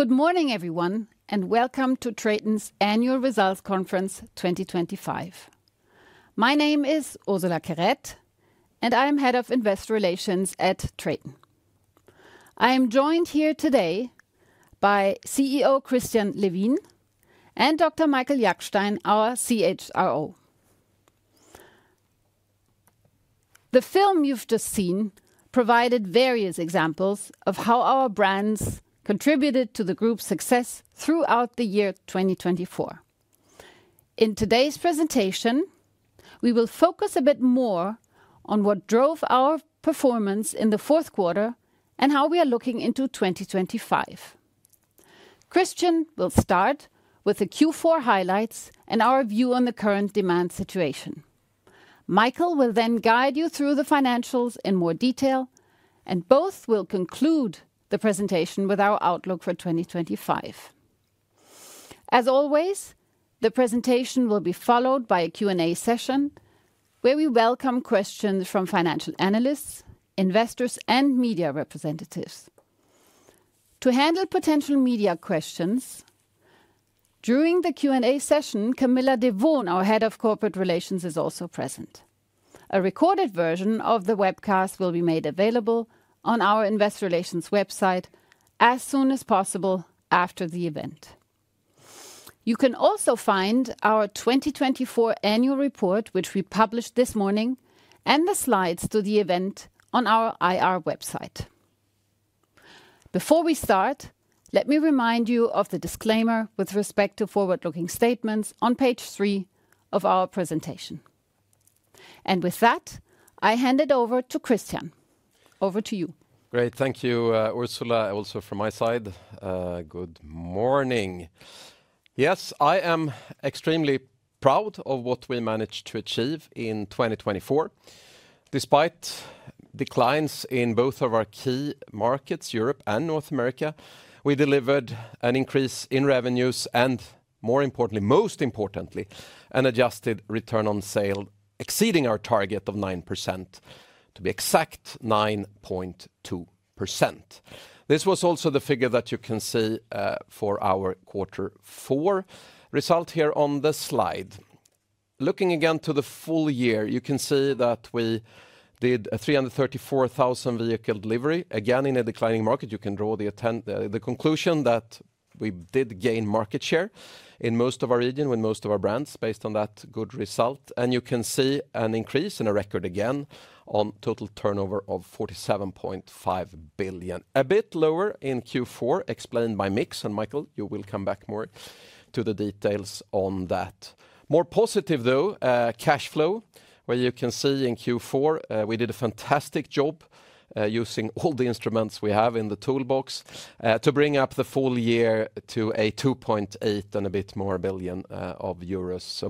Good morning, everyone, and Welcome to TRATON's Annual Results Conference 2025. My name is Ursula Querette, and I am Head of Investor Relations at TRATON. I am joined here today by CEO Christian Levin and Dr. Michael Jackstein, our CHRO. The film you've just seen provided various examples of how our brands contributed to the group's success throughout the year 2024. In today's presentation, we will focus a bit more on what drove our performance in the fourth quarter and how we are looking into 2025. Christian will start with the Q4 highlights and our view on the current demand situation. Michael will then guide you through the financials in more detail, and both will conclude the presentation with our outlook for 2025. As always, the presentation will be followed by a Q&A session where we welcome questions from financial analysts, investors, and media representatives. To handle potential media questions during the Q&A session, Camilla De Vohn, our Head of Corporate Relations, is also present. A recorded version of the webcast will be made available on our Investor Relations website as soon as possible after the event. You can also find our 2024 Annual Report, which we published this morning, and the slides to the event on our IR website. Before we start, let me remind you of the disclaimer with respect to forward-looking statements on page three of our presentation. With that, I hand it over to Christian. Over to you. Great. Thank you, Ursula. Also from my side, good morning. Yes, I am extremely proud of what we managed to achieve in 2024. Despite declines in both of our key markets, Europe and North America, we delivered an increase in revenues and, more importantly, most importantly, an Adjusted return on sale exceeding our target of 9%, to be exact 9.2%. This was also the figure that you can see for our quarter four result here on the slide. Looking again to the full year, you can see that we did 334,000 vehicle delivery. Again, in a declining market, you can draw the conclusion that we did gain market share in most of our region, with most of our brands based on that good result. You can see an increase in a record again on total turnover of 47.5 billion, a bit lower in Q4, explained by Mick. Michael, you will come back more to the details on that. More positive, though, Cash flow, where you can see in Q4 we did a fantastic job using all the instruments we have in the toolbox to bring up the full year to 2.8 billion and a bit more.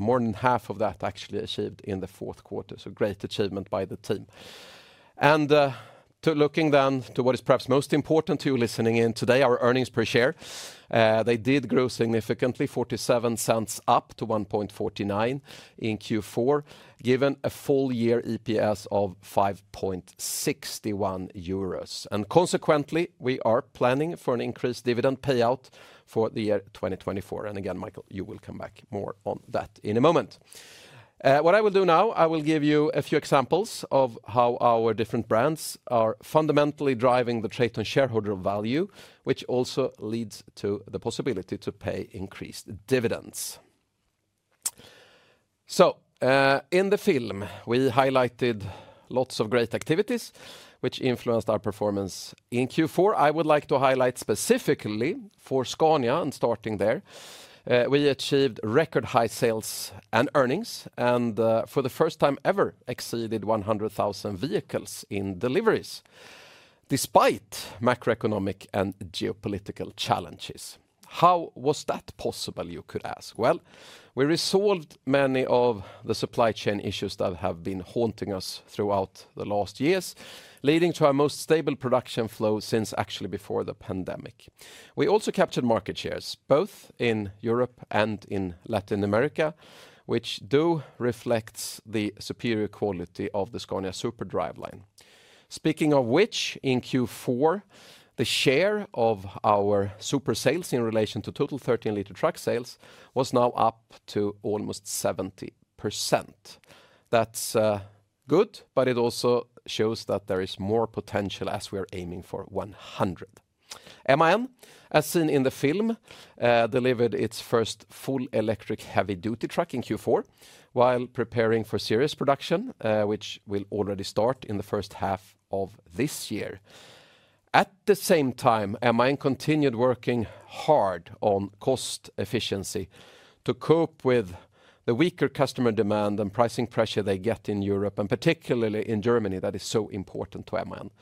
More than half of that actually achieved in the fourth quarter. Great achievement by the team. Looking then to what is perhaps most important to you listening in today, our earnings per share. They did grow significantly, 0.47 up to 1.49 in Q4, giving a full year EPS of 5.61 euros. Consequently, we are planning for an increased dividend payout for the year 2024. Again, Michael, you will come back more on that in a moment. What I will do now, I will give you a few examples of how our different brands are fundamentally driving the TRATON shareholder value, which also leads to the possibility to pay increased dividends. In the film, we highlighted lots of great activities which influenced our performance in Q4. I would like to highlight specifically for Scania and starting there. We achieved record high sales and earnings and for the first time ever exceeded 100,000 vehicles in deliveries despite macroeconomic and geopolitical challenges. How was that possible, you could ask? We resolved many of the supply chain issues that have been haunting us throughout the last years, leading to our most stable production flow since actually before the pandemic. We also captured market shares both in Europe and in Latin America, which do reflect the superior quality of the Scania Super driveline. Speaking of which, in Q4, the share of our Super sales in relation to total 13-liter truck sales was now up to almost 70%. That's good, but it also shows that there is more potential as we are aiming for 100%. MAN, as seen in the film, delivered its first full electric heavy-duty truck in Q4 while preparing for series production, which will already start in the first half of this year. At the same time, MAN continued working hard on cost efficiency to cope with the weaker customer demand and pricing pressure they get in Europe and particularly in Germany. That is so important to MAN.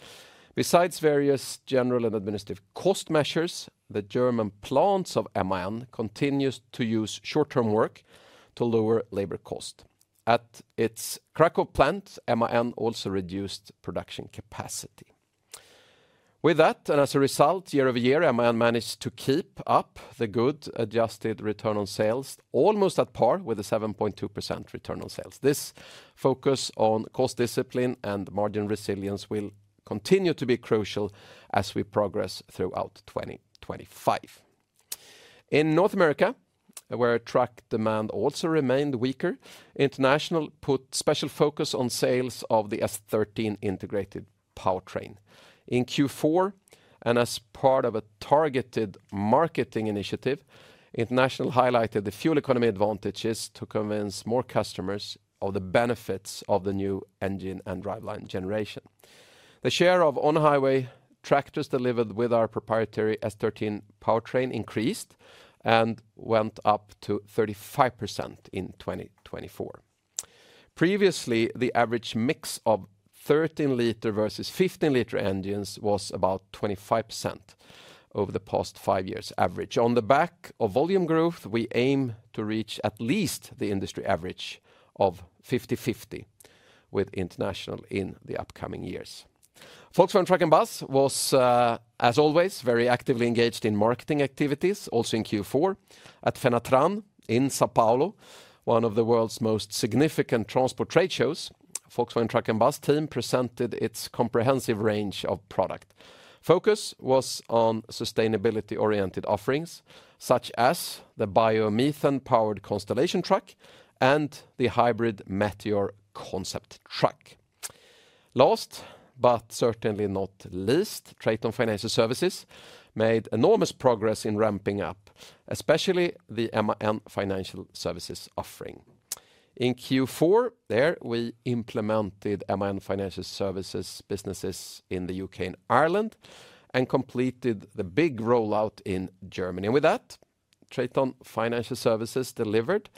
Besides various general and administrative cost measures, the German plants of MAN continue to use short-term work to lower labor cost. At its Krakow plant, MAN also reduced production capacity. With that, and as a result, year over year, MAN managed to keep up the good adjusted return on sales, almost at par with a 7.2% return on sales. This focus on cost discipline and margin resilience will continue to be crucial as we progress throughout 2025. In North America, where truck demand also remained weaker, International put special focus on sales of the S13 integrated powertrain. In Q4, and as part of a targeted marketing initiative, International highlighted the fuel economy advantages to convince more customers of the benefits of the new engine and driveline generation. The share of on-highway tractors delivered with our proprietary S13 powertrain increased and went up to 35% in 2024. Previously, the average mix of 13-liter versus 15-liter engines was about 25% over the past five years' average. On the back of volume growth, we aim to reach at least the industry average of 50-50 with International in the upcoming years. Volkswagen Truck and Bus was, as always, very actively engaged in marketing activities, also in Q4, at Fenatran in São Paulo, one of the world's most significant transport trade shows. Volkswagen Truck and Bus team presented its comprehensive range of product. Focus was on sustainability-oriented offerings such as the bioethane-powered Constellation truck and the hybrid Meteor concept truck. Last, but certainly not least, TRATON Financial Services made enormous progress in ramping up, especially the MAN Financial Services offering. In Q4, there we implemented MAN Financial Services businesses in the U.K. and Ireland and completed the big rollout in Germany. TRATON Financial Services delivered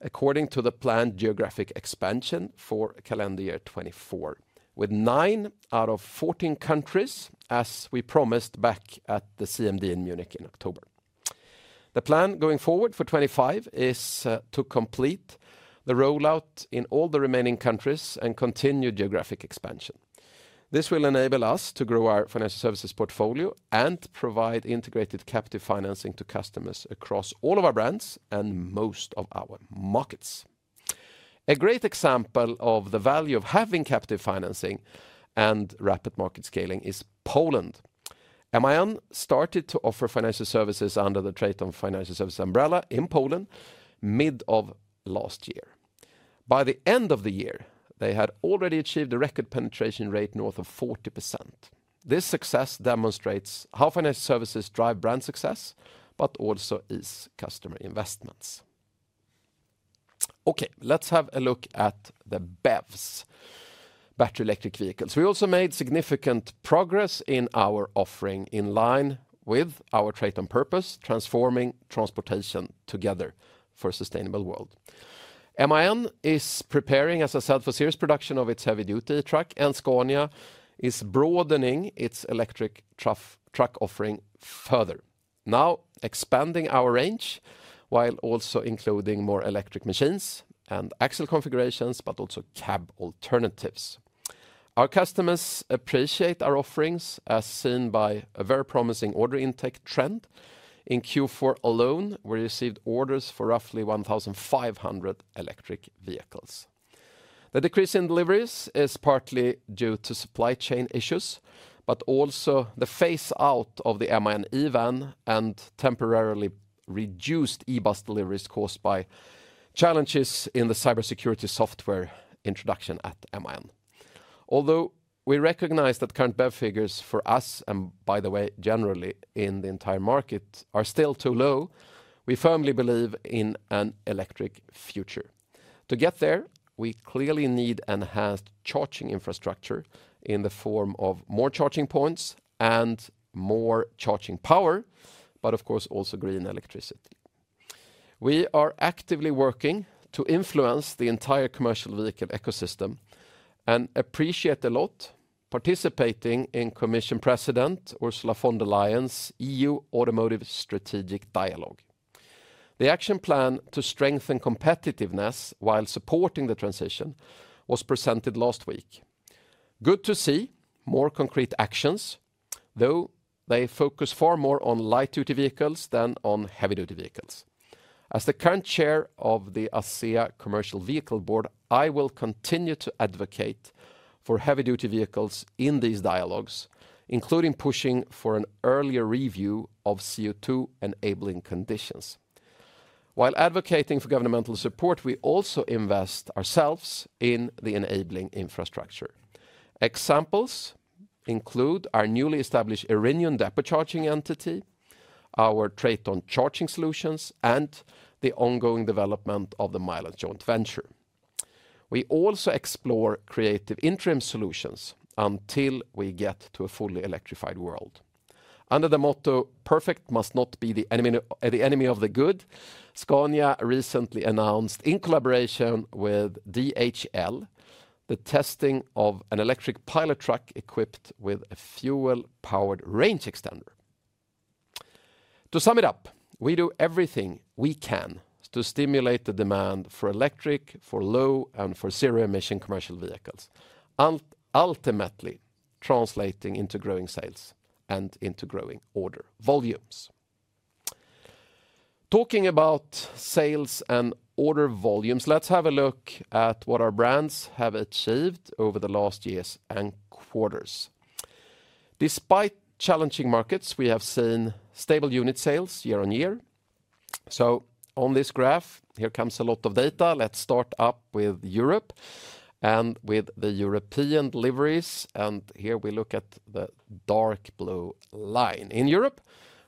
according to the planned geographic expansion for calendar year 2024, with nine out of 14 countries, as we promised back at the CMD in Munich in October. The plan going forward for 2025 is to complete the rollout in all the remaining countries and continue geographic expansion. This will enable us to grow our financial services portfolio and provide integrated captive financing to customers across all of our brands and most of our markets. A great example of the value of having captive financing and rapid market scaling is Poland. MAN started to offer financial services under the TRATON Financial Services umbrella in Poland mid of last year. By the end of the year, they had already achieved a record penetration rate north of 40%. This success demonstrates how financial services drive brand success, but also ease customer investments. Okay, let's have a look at the BEVs, battery electric vehicles. We also made significant progress in our offering in line with our TRATON purpose, transforming transportation together for a sustainable world. MAN is preparing, as I said, for series production of its heavy-duty truck, and Scania is broadening its electric truck offering further, now expanding our range while also including more electric machines and axle configurations, but also cab alternatives. Our customers appreciate our offerings, as seen by a very promising order intake trend. In Q4 alone, we received orders for roughly 1,500 electric vehicles. The decrease in deliveries is partly due to supply chain issues, but also the phase-out of the MAN EVAN and temporarily reduced E-bus deliveries caused by challenges in the cybersecurity software introduction at MAN. Although we recognize that current BEV figures for us, and by the way, generally in the entire market, are still too low, we firmly believe in an electric future. To get there, we clearly need enhanced charging infrastructure in the form of more charging points and more charging power, but of course, also green electricity. We are actively working to influence the entire commercial vehicle ecosystem and appreciate a lot participating in Commission President Ursula von der Leyen's EU Automotive Strategic Dialogue. The action plan to strengthen competitiveness while supporting the transition was presented last week. Good to see more concrete actions, though they focus far more on light-duty vehicles than on heavy-duty vehicles. As the current chair of the ASEA Commercial Vehicle Board, I will continue to advocate for heavy-duty vehicles in these dialogues, including pushing for an earlier review of CO2 enabling conditions. While advocating for governmental support, we also invest ourselves in the enabling infrastructure. Examples include our newly established Irinion depot charging entity, our TRATON charging solutions, and the ongoing development of the Mailand joint venture. We also explore creative interim solutions until we get to a fully electrified world. Under the motto "Perfect must not be the enemy of the good," Scania recently announced, in collaboration with DHL, the testing of an electric pilot truck equipped with a fuel-powered range extender. To sum it up, we do everything we can to stimulate the demand for electric, for low, and for zero-emission commercial vehicles, ultimately translating into growing sales and into growing order volumes. Talking about sales and order volumes, let's have a look at what our brands have achieved over the last years and quarters. Despite challenging markets, we have seen stable unit sales year on year. On this graph, here comes a lot of data. Let's start up with Europe and with the European deliveries. Here we look at the dark blue line. In Europe,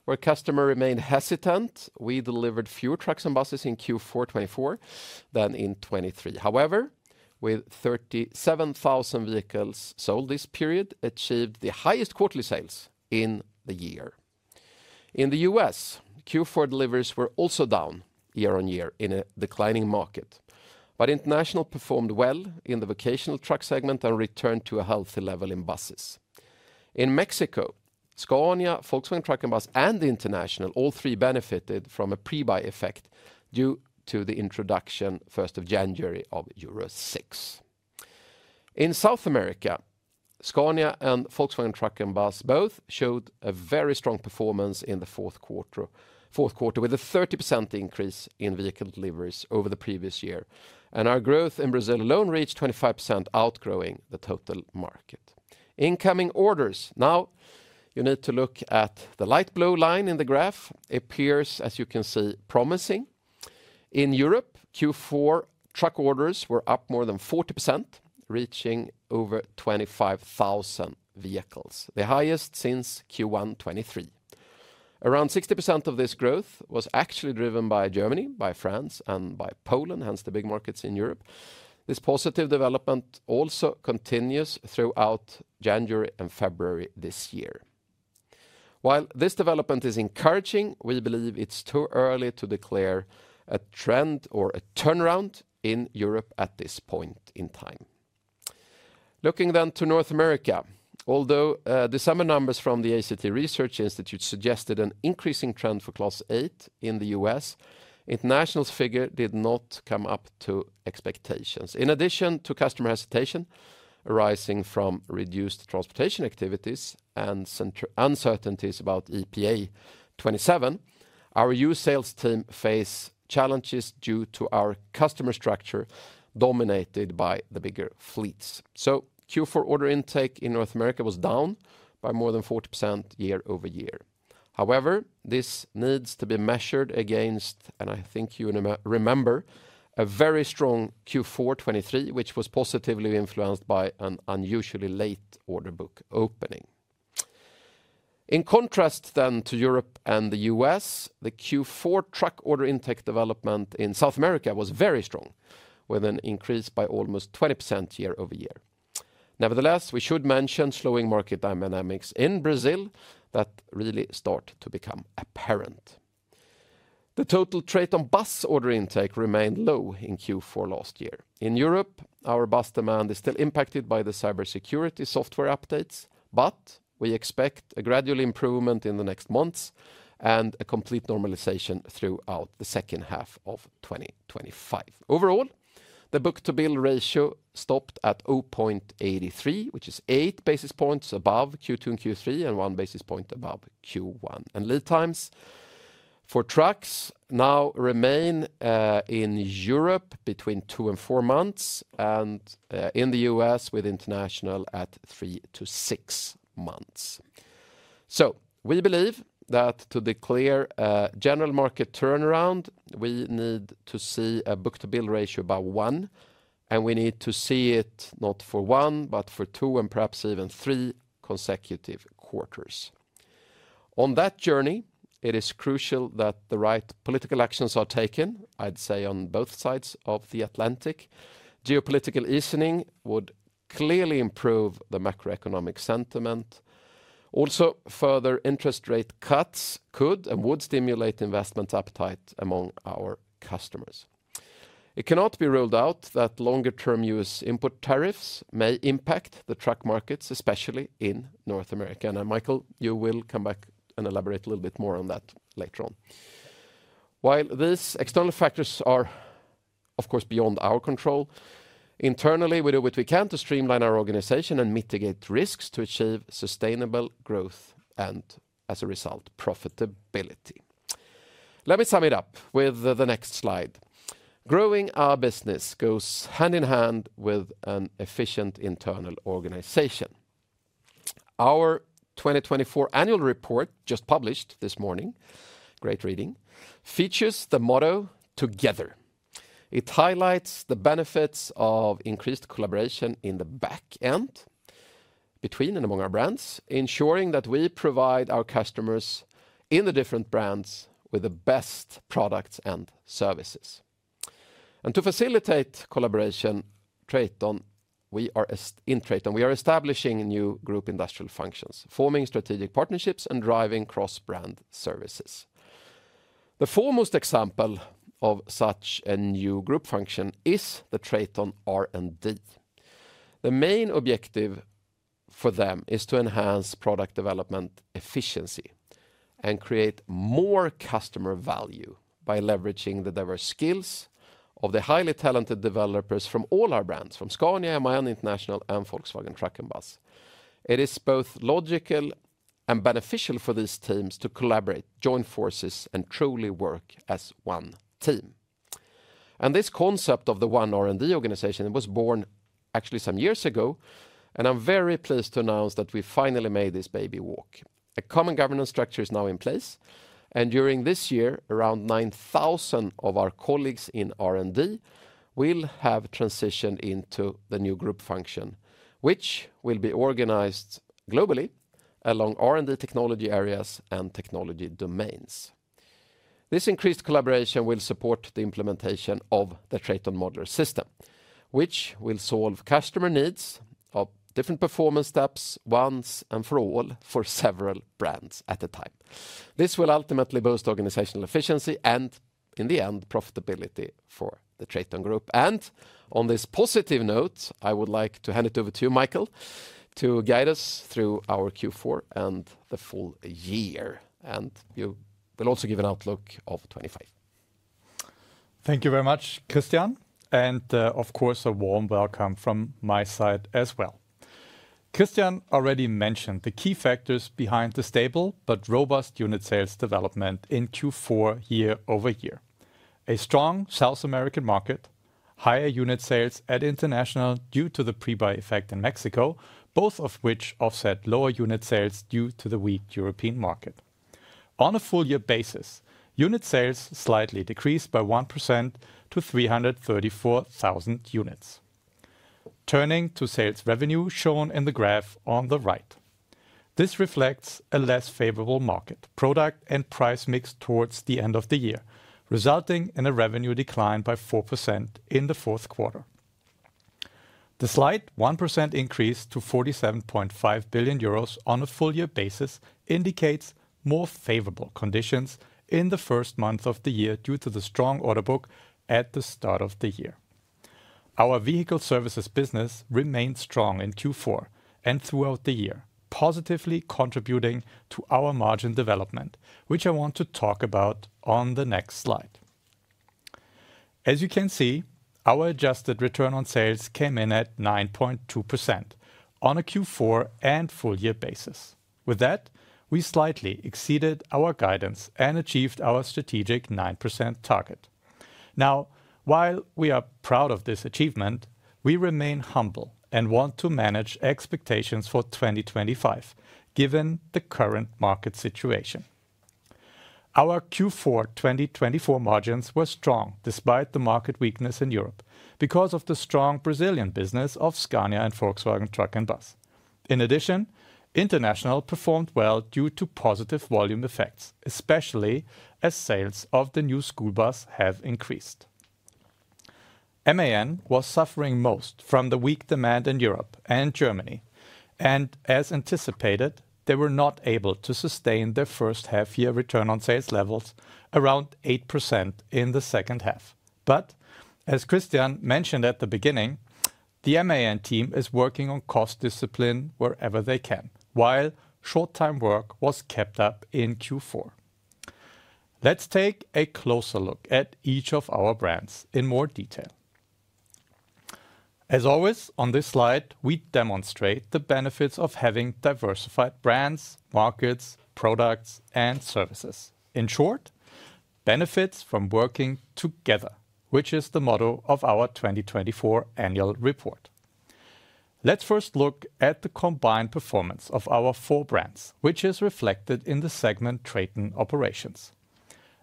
where customers remained hesitant, we delivered fewer trucks and buses in Q4 2024 than in 2023. However, with 37,000 vehicles sold this period, we achieved the highest quarterly sales in the year. In the US, Q4 deliveries were also down year on year in a declining market, but International performed well in the vocational truck segment and returned to a healthy level in buses. In Mexico, Scania, Volkswagen Truck and Bus, and International, all three benefited from a pre-buy effect due to the introduction 1st of January of Euro 6. In South America, Scania and Volkswagen Truck and Bus both showed a very strong performance in the fourth quarter, with a 30% increase in vehicle deliveries over the previous year. Our growth in Brazil alone reached 25%, outgrowing the total market. Incoming orders. Now, you need to look at the light blue line in the graph. It appears, as you can see, promising. In Europe, Q4 truck orders were up more than 40%, reaching over 25,000 vehicles, the highest since Q1 2023. Around 60% of this growth was actually driven by Germany, by France, and by Poland, hence the big markets in Europe. This positive development also continues throughout January and February this year. While this development is encouraging, we believe it's too early to declare a trend or a turnaround in Europe at this point in time. Looking then to North America, although December numbers from the ACT Research Institute suggested an increasing trend for Class 8 in the U.S., International's figure did not come up to expectations. In addition to customer hesitation arising from reduced transportation activities and uncertainties about EPA 27, our U.S. sales team faced challenges due to our customer structure dominated by the bigger fleets. Q4 order intake in North America was down by more than 40% year- over- year. However, this needs to be measured against, and I think you remember, a very strong Q4 2023, which was positively influenced by an unusually late order book opening. In contrast then to Europe and the U.S., the Q4 truck order intake development in South America was very strong, with an increase by almost 20% year- over- year. Nevertheless, we should mention slowing market dynamics in Brazil that really start to become apparent. The total TRATON bus order intake remained low in Q4 last year. In Europe, our bus demand is still impacted by the cybersecurity software updates, but we expect a gradual improvement in the next months and a complete normalization throughout the second half of 2025. Overall, the book-to-bill ratio stopped at 0.83, which is eight basis points above Q2 and Q3 and one basis point above Q1. Lead times for trucks now remain in Europe between two and four months and in the U.S. with International at three to six months. We believe that to declare a general market turnaround, we need to see a book-to-bill ratio by one, and we need to see it not for one, but for two and perhaps even three consecutive quarters. On that journey, it is crucial that the right political actions are taken, I'd say, on both sides of the Atlantic. Geopolitical easing would clearly improve the macroeconomic sentiment. Also, further interest rate cuts could and would stimulate investment appetite among our customers. It cannot be ruled out that longer-term U.S. import tariffs may impact the truck markets, especially in North America. Michael, you will come back and elaborate a little bit more on that later on. While these external factors are, of course, beyond our control, internally, we do what we can to streamline our organization and mitigate risks to achieve sustainable growth and, as a result, profitability. Let me sum it up with the next slide. Growing our business goes hand in hand with an efficient internal organization. Our 2024 annual report, just published this morning, great reading, features the motto "Together." It highlights the benefits of increased collaboration in the back end between and among our brands, ensuring that we provide our customers in the different brands with the best products and services. To facilitate collaboration, TRATON, we are establishing new group industrial functions, forming strategic partnerships and driving cross-brand services. The foremost example of such a new group function is the TRATON R&D. The main objective for them is to enhance product development efficiency and create more customer value by leveraging the diverse skills of the highly talented developers from all our brands, from Scania, MAN, International, and Volkswagen Truck and Bus. It is both logical and beneficial for these teams to collaborate, join forces, and truly work as one team. This concept of the one R&D organization was born actually some years ago, and I'm very pleased to announce that we finally made this baby walk. A common governance structure is now in place, and during this year, around 9,000 of our colleagues in R&D will have transitioned into the new group function, which will be organized globally along R&D technology areas and technology domains. This increased collaboration will support the implementation of the TRATON modular system, which will solve customer needs of different performance steps once and for all for several brands at a time. This will ultimately boost organizational efficiency and, in the end, profitability for the TRATON group. On this positive note, I would like to hand it over to you, Michael, to guide us through our Q4 and the full year, and you will also give an outlook of 2025. Thank you very much, Christian, and of course, a warm welcome from my side as well. Christian already mentioned the key factors behind the stable but robust unit sales development in Q4 year- over- year: a strong South American market, higher unit sales at International due to the pre-buy effect in Mexico, both of which offset lower unit sales due to the weak European market. On a full-year basis, unit sales slightly decreased by 1% to 334,000 units, turning to sales revenue shown in the graph on the right. This reflects a less favorable market product and price mix towards the end of the year, resulting in a revenue decline by 4% in the fourth quarter. The slight 1% increase to 47.5 billion euros on a full-year basis indicates more favorable conditions in the first month of the year due to the strong order book at the start of the year. Our vehicle services business remained strong in Q4 and throughout the year, positively contributing to our margin development, which I want to talk about on the next slide. As you can see, our Adjusted return on sales came in at 9.2% on a Q4 and full-year basis. With that, we slightly exceeded our guidance and achieved our strategic 9% target. Now, while we are proud of this achievement, we remain humble and want to manage expectations for 2025 given the current market situation. Our Q4 2024 margins were strong despite the market weakness in Europe because of the strong Brazilian business of Scania and Volkswagen Truck and Bus. In addition, International performed well due to positive volume effects, especially as sales of the new school bus have increased. MAN was suffering most from the weak demand in Europe and Germany, and as anticipated, they were not able to sustain their first half-year return on sales levels around 8% in the second half. As Christian mentioned at the beginning, the MAN team is working on cost discipline wherever they can, while short-time work was kept up in Q4. Let's take a closer look at each of our brands in more detail. As always, on this slide, we demonstrate the benefits of having diversified brands, markets, products, and services. In short, benefits from working together, which is the motto of our 2024 annual report. Let's first look at the combined performance of our four brands, which is reflected in the segment TRATON Operations.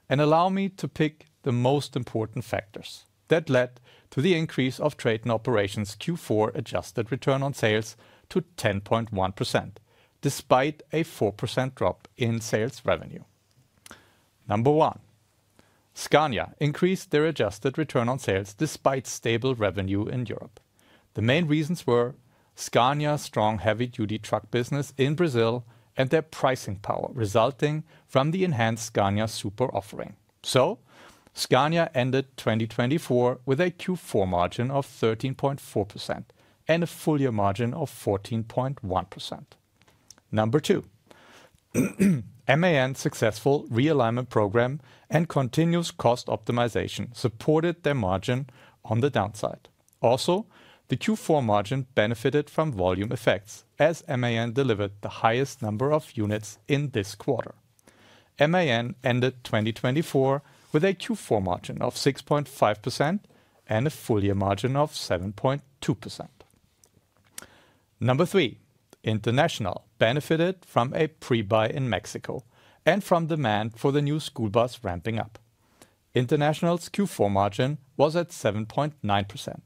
Allow me to pick the most important factors that led to the increase of TRATON Operations' Q4 Adjusted return on sales to 10.1%, despite a 4% drop in sales revenue. Number one, Scania increased their Adjusted return on sales despite stable revenue in Europe. The main reasons were Scania's strong heavy-duty truck business in Brazil and their pricing power resulting from the enhanced Scania Super offering. Scania ended 2024 with a Q4 margin of 13.4% and a full-year margin of 14.1%. Number two, MAN's successful realignment program and continuous cost optimization supported their margin on the downside. Also, the Q4 margin benefited from volume effects as MAN delivered the highest number of units in this quarter. MAN ended 2024 with a Q4 margin of 6.5% and a full-year margin of 7.2%. Number three, International benefited from a pre-buy in Mexico and from demand for the new school bus ramping up. International's Q4 margin was at 7.9%.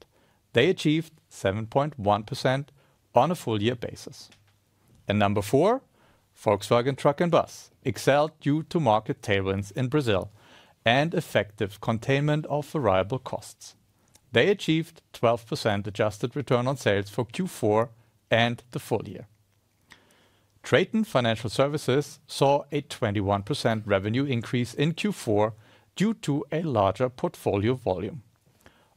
They achieved 7.1% on a full-year basis. Number four, Volkswagen Truck and Bus excelled due to market tailwinds in Brazil and effective containment of variable costs. They achieved 12% adjusted return on sales for Q4 and the full year. TRATON Financial Services saw a 21% revenue increase in Q4 due to a larger portfolio volume.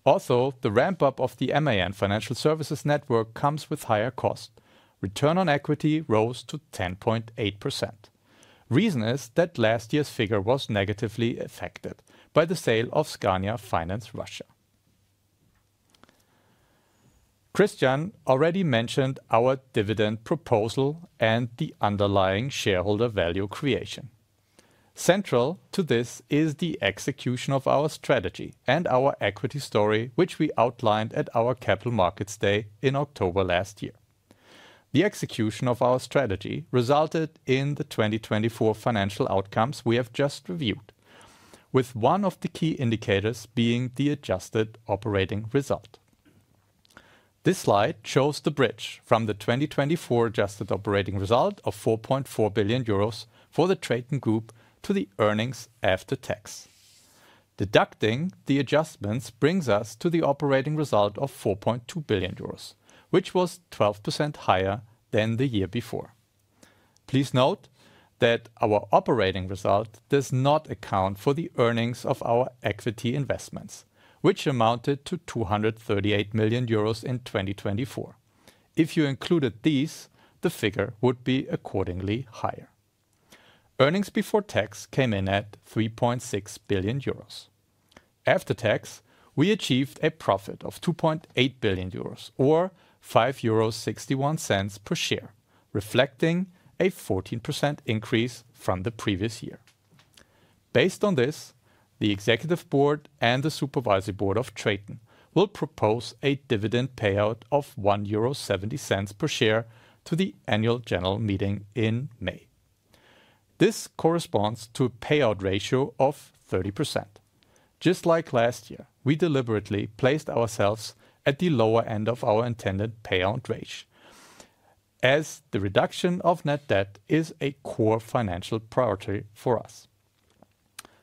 Also, the ramp-up of the MAN Financial Services network comes with higher costs. Return on equity rose to 10.8%. Reason is that last year's figure was negatively affected by the sale of Scania Finance Russia. Christian already mentioned our dividend proposal and the underlying shareholder value creation. Central to this is the execution of our strategy and our equity story, which we outlined at our Capital Markets Day in October last year. The execution of our strategy resulted in the 2024 financial outcomes we have just reviewed, with one of the key indicators being the adjusted operating result. This slide shows the bridge from the 2024 Adjusted operating result of 4.4 billion euros for the TRATON Group to the earnings after tax. Deducting the adjustments brings us to the operating result of 4.2 billion euros, which was 12% higher than the year before. Please note that our operating result does not account for the earnings of our equity investments, which amounted to 238 million euros in 2024. If you included these, the figure would be accordingly higher. Earnings before tax came in at 3.6 billion euros. After tax, we achieved a profit of 2.8 billion euros or 5.61 euros per share, reflecting a 14% increase from the previous year. Based on this, the Executive Board and the Supervisory Board of TRATON will propose a dividend payout of 1.70 euro per share to the annual general meeting in May. This corresponds to a payout ratio of 30%. Just like last year, we deliberately placed ourselves at the lower end of our intended payout range, as the reduction of net debt is a core financial priority for us.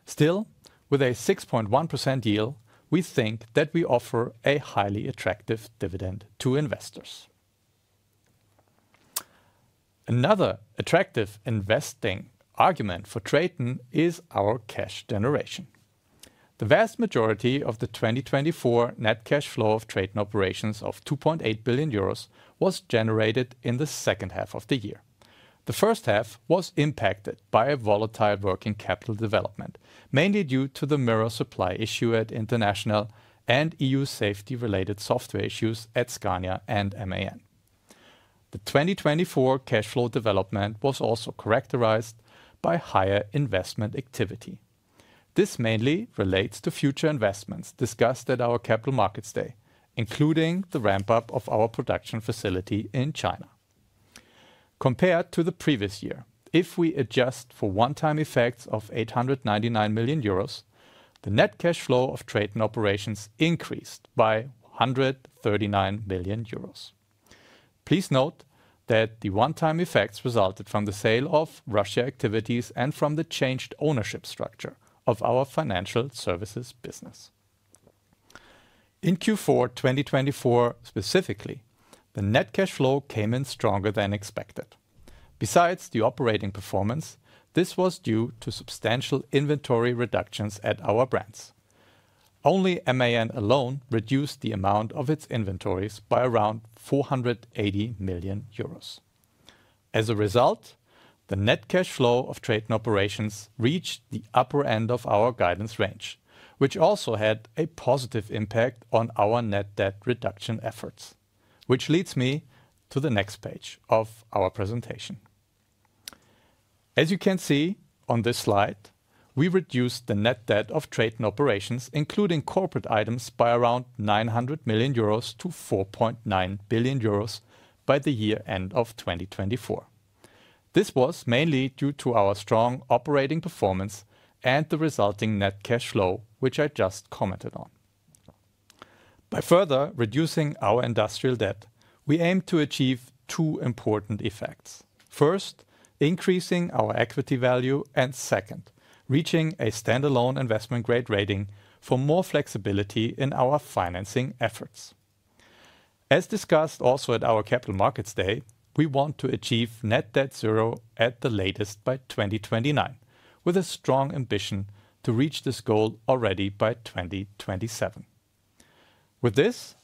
Still, with a 6.1% yield, we think that we offer a highly attractive dividend to investors. Another attractive investing argument for TRATON is our cash generation. The vast majority of the 2024 Net cash flow of TRATON Operations of 2.8 billion euros was generated in the second half of the year. The first half was impacted by a volatile working capital development, mainly due to the mirror supply issue at International and EU safety-related software issues at Scania and MAN. The 2024 Cash flow development was also characterized by higher investment activity. This mainly relates to future investments discussed at our Capital Markets Day, including the ramp-up of our production facility in China. Compared to the previous year, if we adjust for one-time effects of 899 million euros, the Net cash flow of TRATON Operations increased by 139 million euros. Please note that the one-time effects resulted from the sale of Russia activities and from the changed ownership structure of our financial services business. In Q4 2024 specifically, the net cash flow came in stronger than expected. Besides the operating performance, this was due to substantial inventory reductions at our brands. Only MAN alone reduced the amount of its inventories by around 480 million euros. As a result, the Net cash flow of TRATON Operations reached the upper end of our guidance range, which also had a positive impact on our net debt reduction efforts, which leads me to the next page of our presentation. As you can see on this slide, we reduced the net debt of TRATON Operations, including corporate items, by around 900 million euros to 4.9 billion euros by the year end of 2024. This was mainly due to our strong operating performance and the resulting Net cash flow, which I just commented on. By further reducing our industrial debt, we aim to achieve two important effects: first, increasing our equity value, and second, reaching a standalone investment grade rating for more flexibility in our financing efforts. As discussed also at our Capital Markets Day, we want to achieve net debt zero at the latest by 2029, with a strong ambition to reach this goal already by 2027. With this,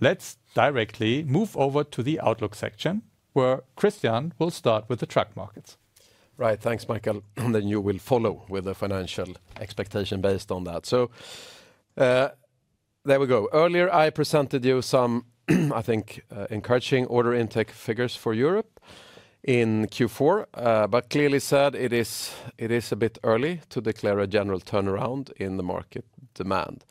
let's directly move over to the outlook section, where Christian will start with the truck markets. Right, thanks, Michael. Then you will follow with the financial expectation based on that. There we go. Earlier, I presented you some, I think, encouraging order intake figures for Europe in Q4, but clearly said it is a bit early to declare a general turnaround in the market demand.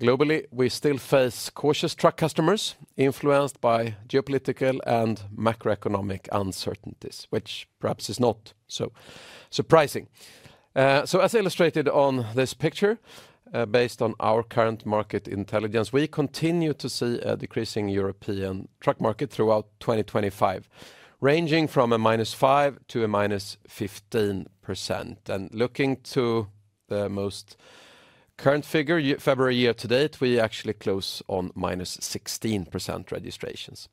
Globally, we still face cautious truck customers influenced by geopolitical and macroeconomic uncertainties, which perhaps is not so surprising. As illustrated on this picture, based on our current market intelligence, we continue to see a decreasing European truck market throughout 2025, ranging from a -5% to -15%. Looking to the most current figure, February year to date, we actually close on minus 16% registrations.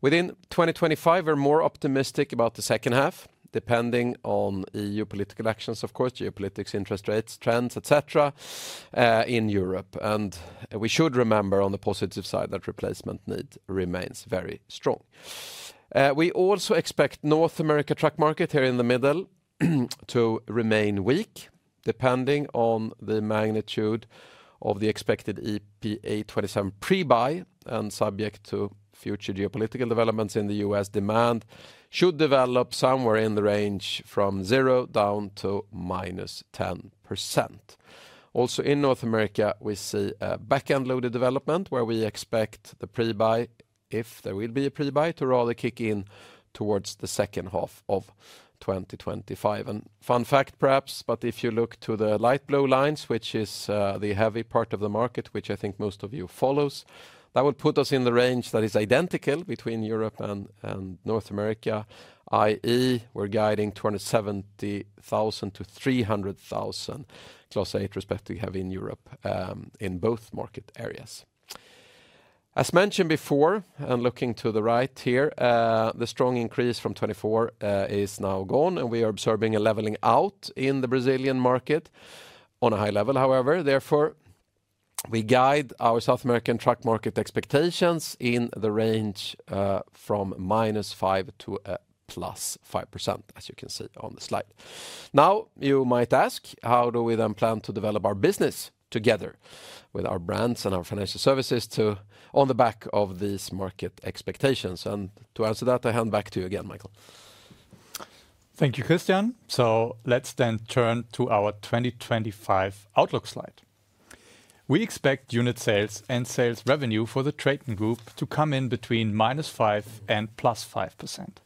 Within 2025, we're more optimistic about the second half, depending on EU political actions, of course, geopolitics, interest rates trends, et cetera, in Europe. We should remember on the positive side that replacement need remains very strong. We also expect North America truck market here in the middle to remain weak, depending on the magnitude of the expected EPA 27 pre-buy and subject to future geopolitical developments in the U.S. demand should develop somewhere in the range from zero down to minus 10%. Also, in North America, we see a back-end loaded development where we expect the pre-buy, if there will be a pre-buy, to rather kick in towards the second half of 2025. Fun fact, perhaps, but if you look to the light blue lines, which is the heavy part of the market, which I think most of you follows, that will put us in the range that is identical between Europe and North America, i.e., we're guiding 270,000-300,000 plus 8 respectively heavy in Europe in both market areas. As mentioned before, and looking to the right here, the strong increase from 2024 is now gone, and we are observing a leveling out in the Brazilian market on a high level, however. Therefore, we guide our South American truck market expectations in the range from -5% to +5%, as you can see on the slide. Now, you might ask, how do we then plan to develop our business together with our brands and our financial services on the back of these market expectations? To answer that, I hand back to you again, Michael. Thank you, Christian. Let's then turn to our 2025 outlook slide. We expect unit sales and sales revenue for the TRATON Group to come in between -5% and +5%.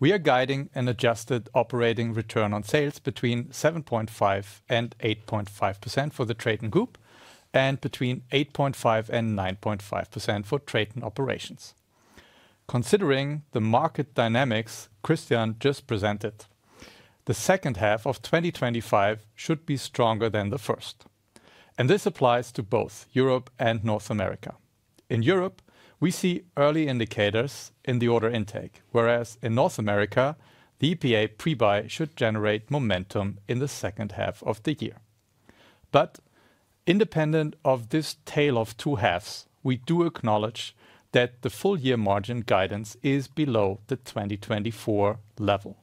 We are guiding an adjusted operating return on sales between 7.5%-8.5% for the TRATON Group and between 8.5%-9.5% for TRATON Operations. Considering the market dynamics Christian just presented, the second half of 2025 should be stronger than the first. This applies to both Europe and North America. In Europe, we see early indicators in the order intake, whereas in North America, the EPA pre-buy should generate momentum in the second half of the year. Independent of this tale of two halves, we do acknowledge that the full-year margin guidance is below the 2024 level.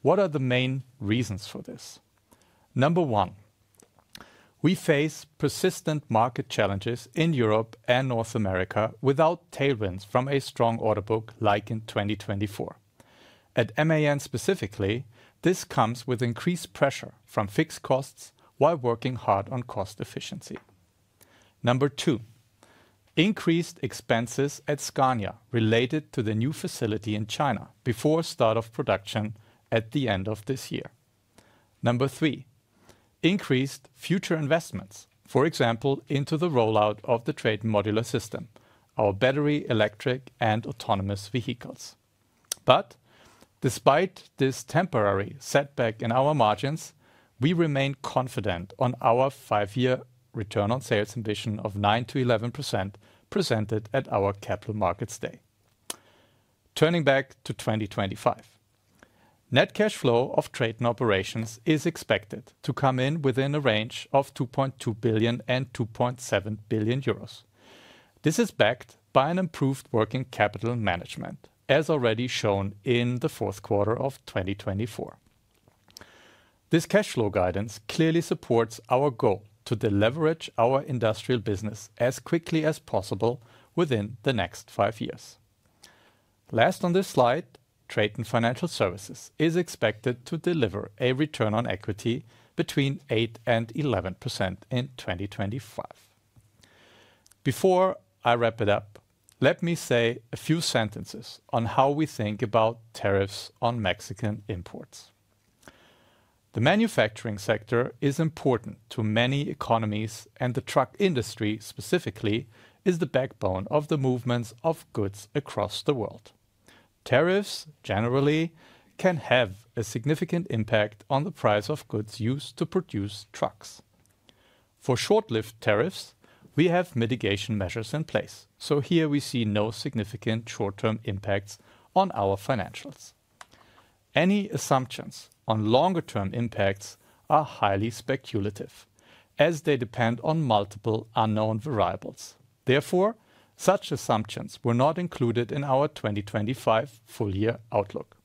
What are the main reasons for this? Number one, we face persistent market challenges in Europe and North America without tailwinds from a strong order book like in 2024. At MAN specifically, this comes with increased pressure from fixed costs while working hard on cost efficiency. Number two, increased expenses at Scania related to the new facility in China before start of production at the end of this year. Number three, increased future investments, for example, into the rollout of the TRATON modular system, our battery, electric, and autonomous vehicles. Despite this temporary setback in our margins, we remain confident on our five-year return on sales ambition of 9-11% presented at our Capital Markets Day. Turning back to 2025, Net cash flow of TRATON Operations is expected to come in within a range of 2.2 billion-2.7 billion euros. This is backed by an improved working capital management, as already shown in the fourth quarter of 2024. This cash flow guidance clearly supports our goal to deleverage our industrial business as quickly as possible within the next five years. Last on this slide, TRATON Financial Services is expected to deliver a return on equity between 8% and 11% in 2025. Before I wrap it up, let me say a few sentences on how we think about tariffs on Mexican imports. The manufacturing sector is important to many economies, and the truck industry specifically is the backbone of the movements of goods across the world. Tariffs generally can have a significant impact on the price of goods used to produce trucks. For short-lived tariffs, we have mitigation measures in place, so here we see no significant short-term impacts on our financials. Any assumptions on longer-term impacts are highly speculative, as they depend on multiple unknown variables. Therefore, such assumptions were not included in our 2025 full-year outlook.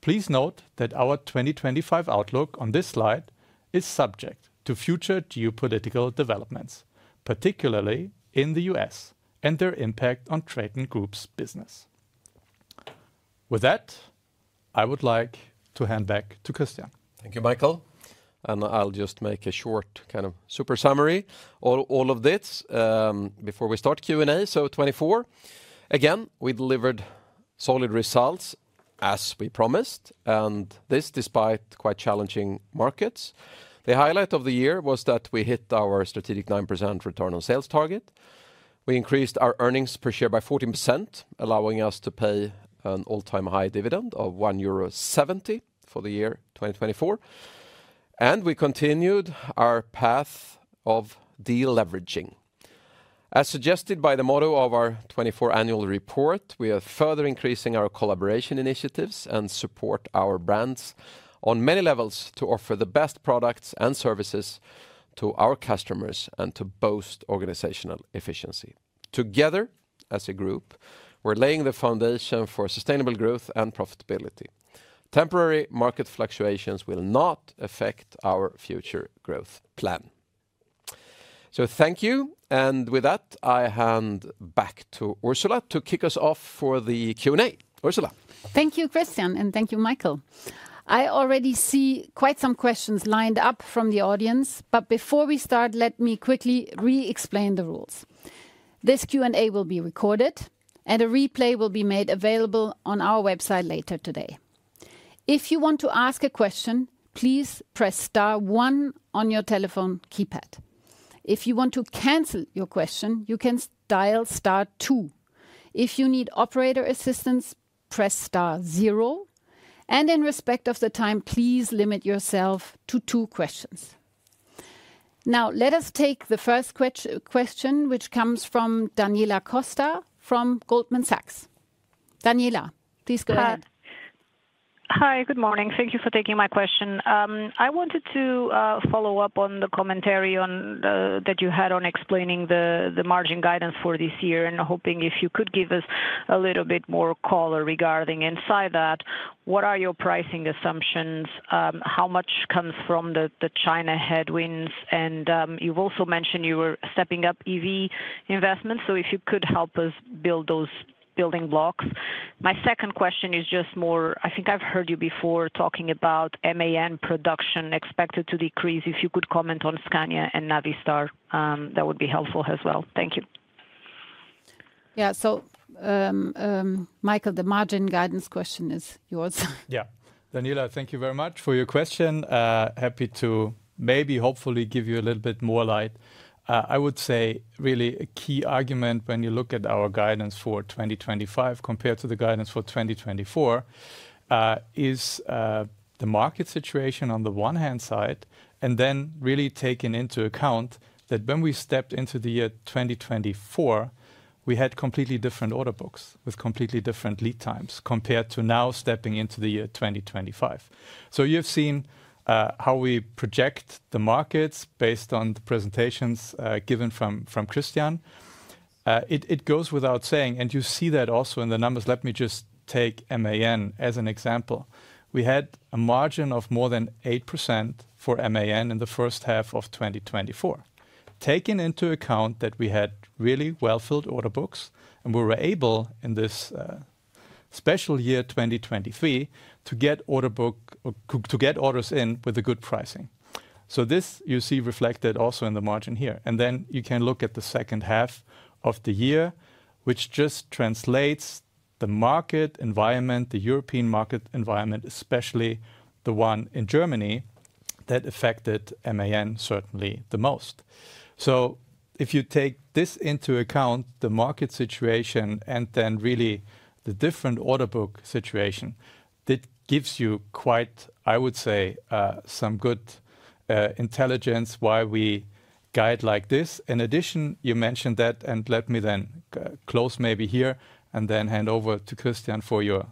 Please note that our 2025 outlook on this slide is subject to future geopolitical developments, particularly in the U.S. and their impact on TRATON Group's business. With that, I would like to hand back to Christian. Thank you, Michael. I'll just make a short kind of super summary of all of this before we start Q&A. Twenty-four, again, we delivered solid results as we promised, and this despite quite challenging markets. The highlight of the year was that we hit our strategic 9% return on sales target. We increased our earnings per share by 14%, allowing us to pay an all-time high dividend of 1.70 euro for the year 2024. We continued our path of de-leveraging. As suggested by the motto of our 2024 annual report, we are further increasing our collaboration initiatives and support our brands on many levels to offer the best products and services to our customers and to boost organizational efficiency. Together, as a group, we're laying the foundation for sustainable growth and profitability. Temporary market fluctuations will not affect our future growth plan. Thank you. With that, I hand back to Ursula to kick us off for the Q&A. Ursula. Thank you, Christian, and thank you, Michael. I already see quite some questions lined up from the audience, but before we start, let me quickly re-explain the rules. This Q&A will be recorded, and a replay will be made available on our website later today. If you want to ask a question, please press star one on your telephone keypad .If you want to cancel your question, you can dial star two. If you need operator assistance, press star zero. In respect of the time, please limit yourself to two questions. Now, let us take the first question, which comes from Daniela Costa from Goldman Sachs. Daniela, please go ahead. Hi, good morning. Thank you for taking my question. I wanted to follow up on the commentary that you had on explaining the margin guidance for this year and hoping if you could give us a little bit more color regarding inside that, what are your pricing assumptions? How much comes from the China headwinds? You have also mentioned you were stepping up EV investments, so if you could help us build those building blocks. My second question is just more, I think I have heard you before talking about MAN production expected to decrease. If you could comment on Scania and Navistar, that would be helpful as well. Thank you. Yeah, so Michael, the margin guidance question is yours. Yeah, Daniela, thank you very much for your question. Happy to maybe hopefully give you a little bit more light. I would say really a key argument when you look at our guidance for 2025 compared to the guidance for 2024 is the market situation on the one hand side, and then really taking into account that when we stepped into the year 2024, we had completely different order books with completely different lead times compared to now stepping into the year 2025. You have seen how we project the markets based on the presentations given from Christian. It goes without saying, and you see that also in the numbers. Let me just take MAN as an example. We had a margin of more than 8% for MAN in the first half of 2024, taking into account that we had really well-filled order books and we were able in this special year 2023 to get orders in with a good pricing. This you see reflected also in the margin here. You can look at the second half of the year, which just translates the market environment, the European market environment, especially the one in Germany that affected MAN certainly the most. If you take this into account, the market situation and then really the different order book situation, that gives you quite, I would say, some good intelligence why we guide like this. In addition, you mentioned that, and let me then close maybe here and then hand over to Christian for your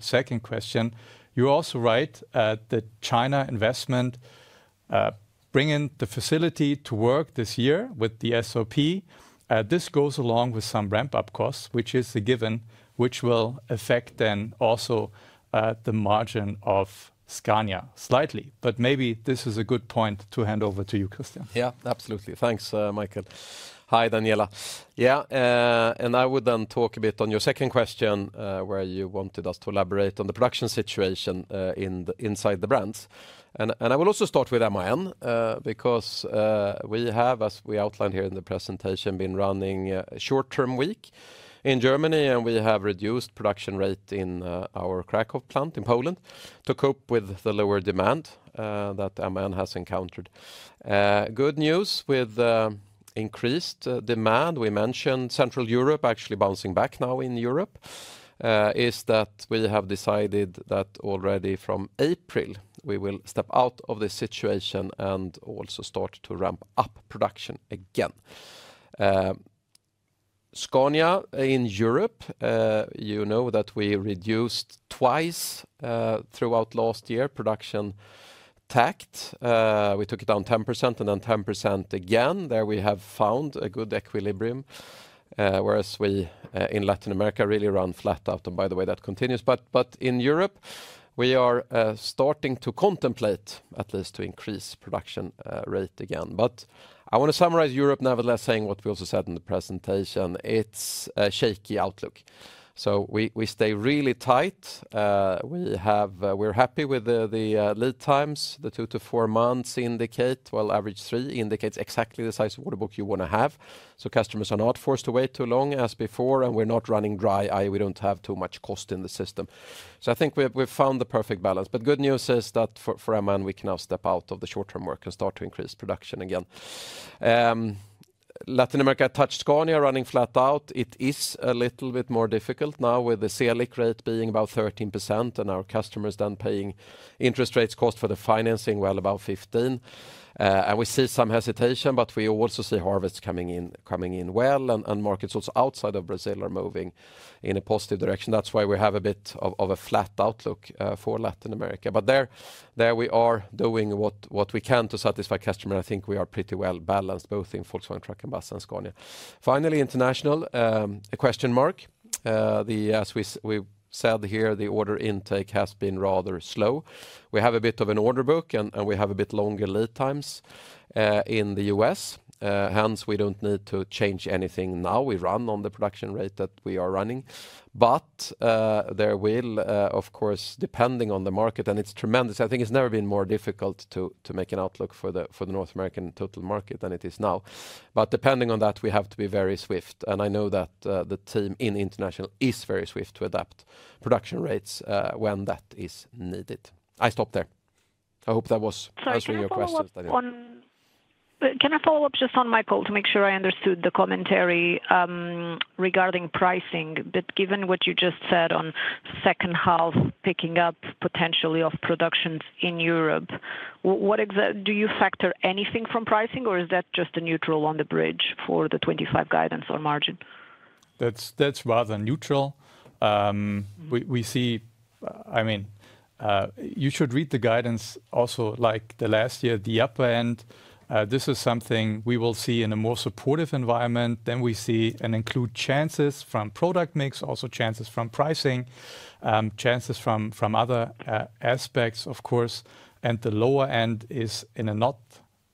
second question. You're also right that China investment bringing the facility to work this year with the SOP, this goes along with some ramp-up costs, which is a given, which will affect then also the margin of Scania slightly. Maybe this is a good point to hand over to you, Christian. Yeah, absolutely. Thanks, Michael. Hi, Daniela. Yeah, I would then talk a bit on your second question where you wanted us to elaborate on the production situation inside the brands. I will also start with MAN because we have, as we outlined here in the presentation, been running a short-term week in Germany, and we have reduced production rate in our Krakow plant in Poland to cope with the lower demand that MAN has encountered. Good news with increased demand, we mentioned Central Europe actually bouncing back now in Europe, is that we have decided that already from April, we will step out of this situation and also start to ramp up production again. Scania in Europe, you know that we reduced twice throughout last year production tacked. We took it down 10% and then 10% again. There we have found a good equilibrium, whereas we in Latin America really run flat out. By the way, that continues. In Europe, we are starting to contemplate at least to increase production rate again. I want to summarize Europe nevertheless, saying what we also said in the presentation. It's a shaky outlook. We stay really tight. We're happy with the lead times, the two to four months indicate, while average three indicates exactly the size of order book you want to have. Customers are not forced to wait too long as before, and we're not running dry. We don't have too much cost in the system. I think we've found the perfect balance. The good news is that for MAN, we can now step out of the short-term work and start to increase production again. Latin America touched Scania running flat out. It is a little bit more difficult now with the CLIC rate being about 13% and our customers then paying interest rates cost for the financing well about 15%. We see some hesitation, but we also see harvests coming in well and markets also outside of Brazil are moving in a positive direction. That's why we have a bit of a flat outlook for Latin America. There we are doing what we can to satisfy customers. I think we are pretty well balanced both in Volkswagen Truck and Bus and Scania. Finally, International, a question mark. As we said here, the order intake has been rather slow. We have a bit of an order book and we have a bit longer lead times in the U.S. Hence, we do not need to change anything now. We run on the production rate that we are running. There will, of course, depending on the market, and it is tremendous. I think it has never been more difficult to make an outlook for the North American total market than it is now. Depending on that, we have to be very swift. I know that the team in International is very swift to adapt production rates when that is needed. I stop there. I hope that was answering your questions. Can I follow up just on Michael to make sure I understood the commentary regarding pricing? Given what you just said on second half picking up potentially of productions in Europe, do you factor anything from pricing or is that just a neutral on the bridge for the 2025 guidance or margin? That's rather neutral. I mean, you should read the guidance also like the last year, the upper end. This is something we will see in a more supportive environment. We see and include chances from product mix, also chances from pricing, chances from other aspects, of course. The lower end is in a not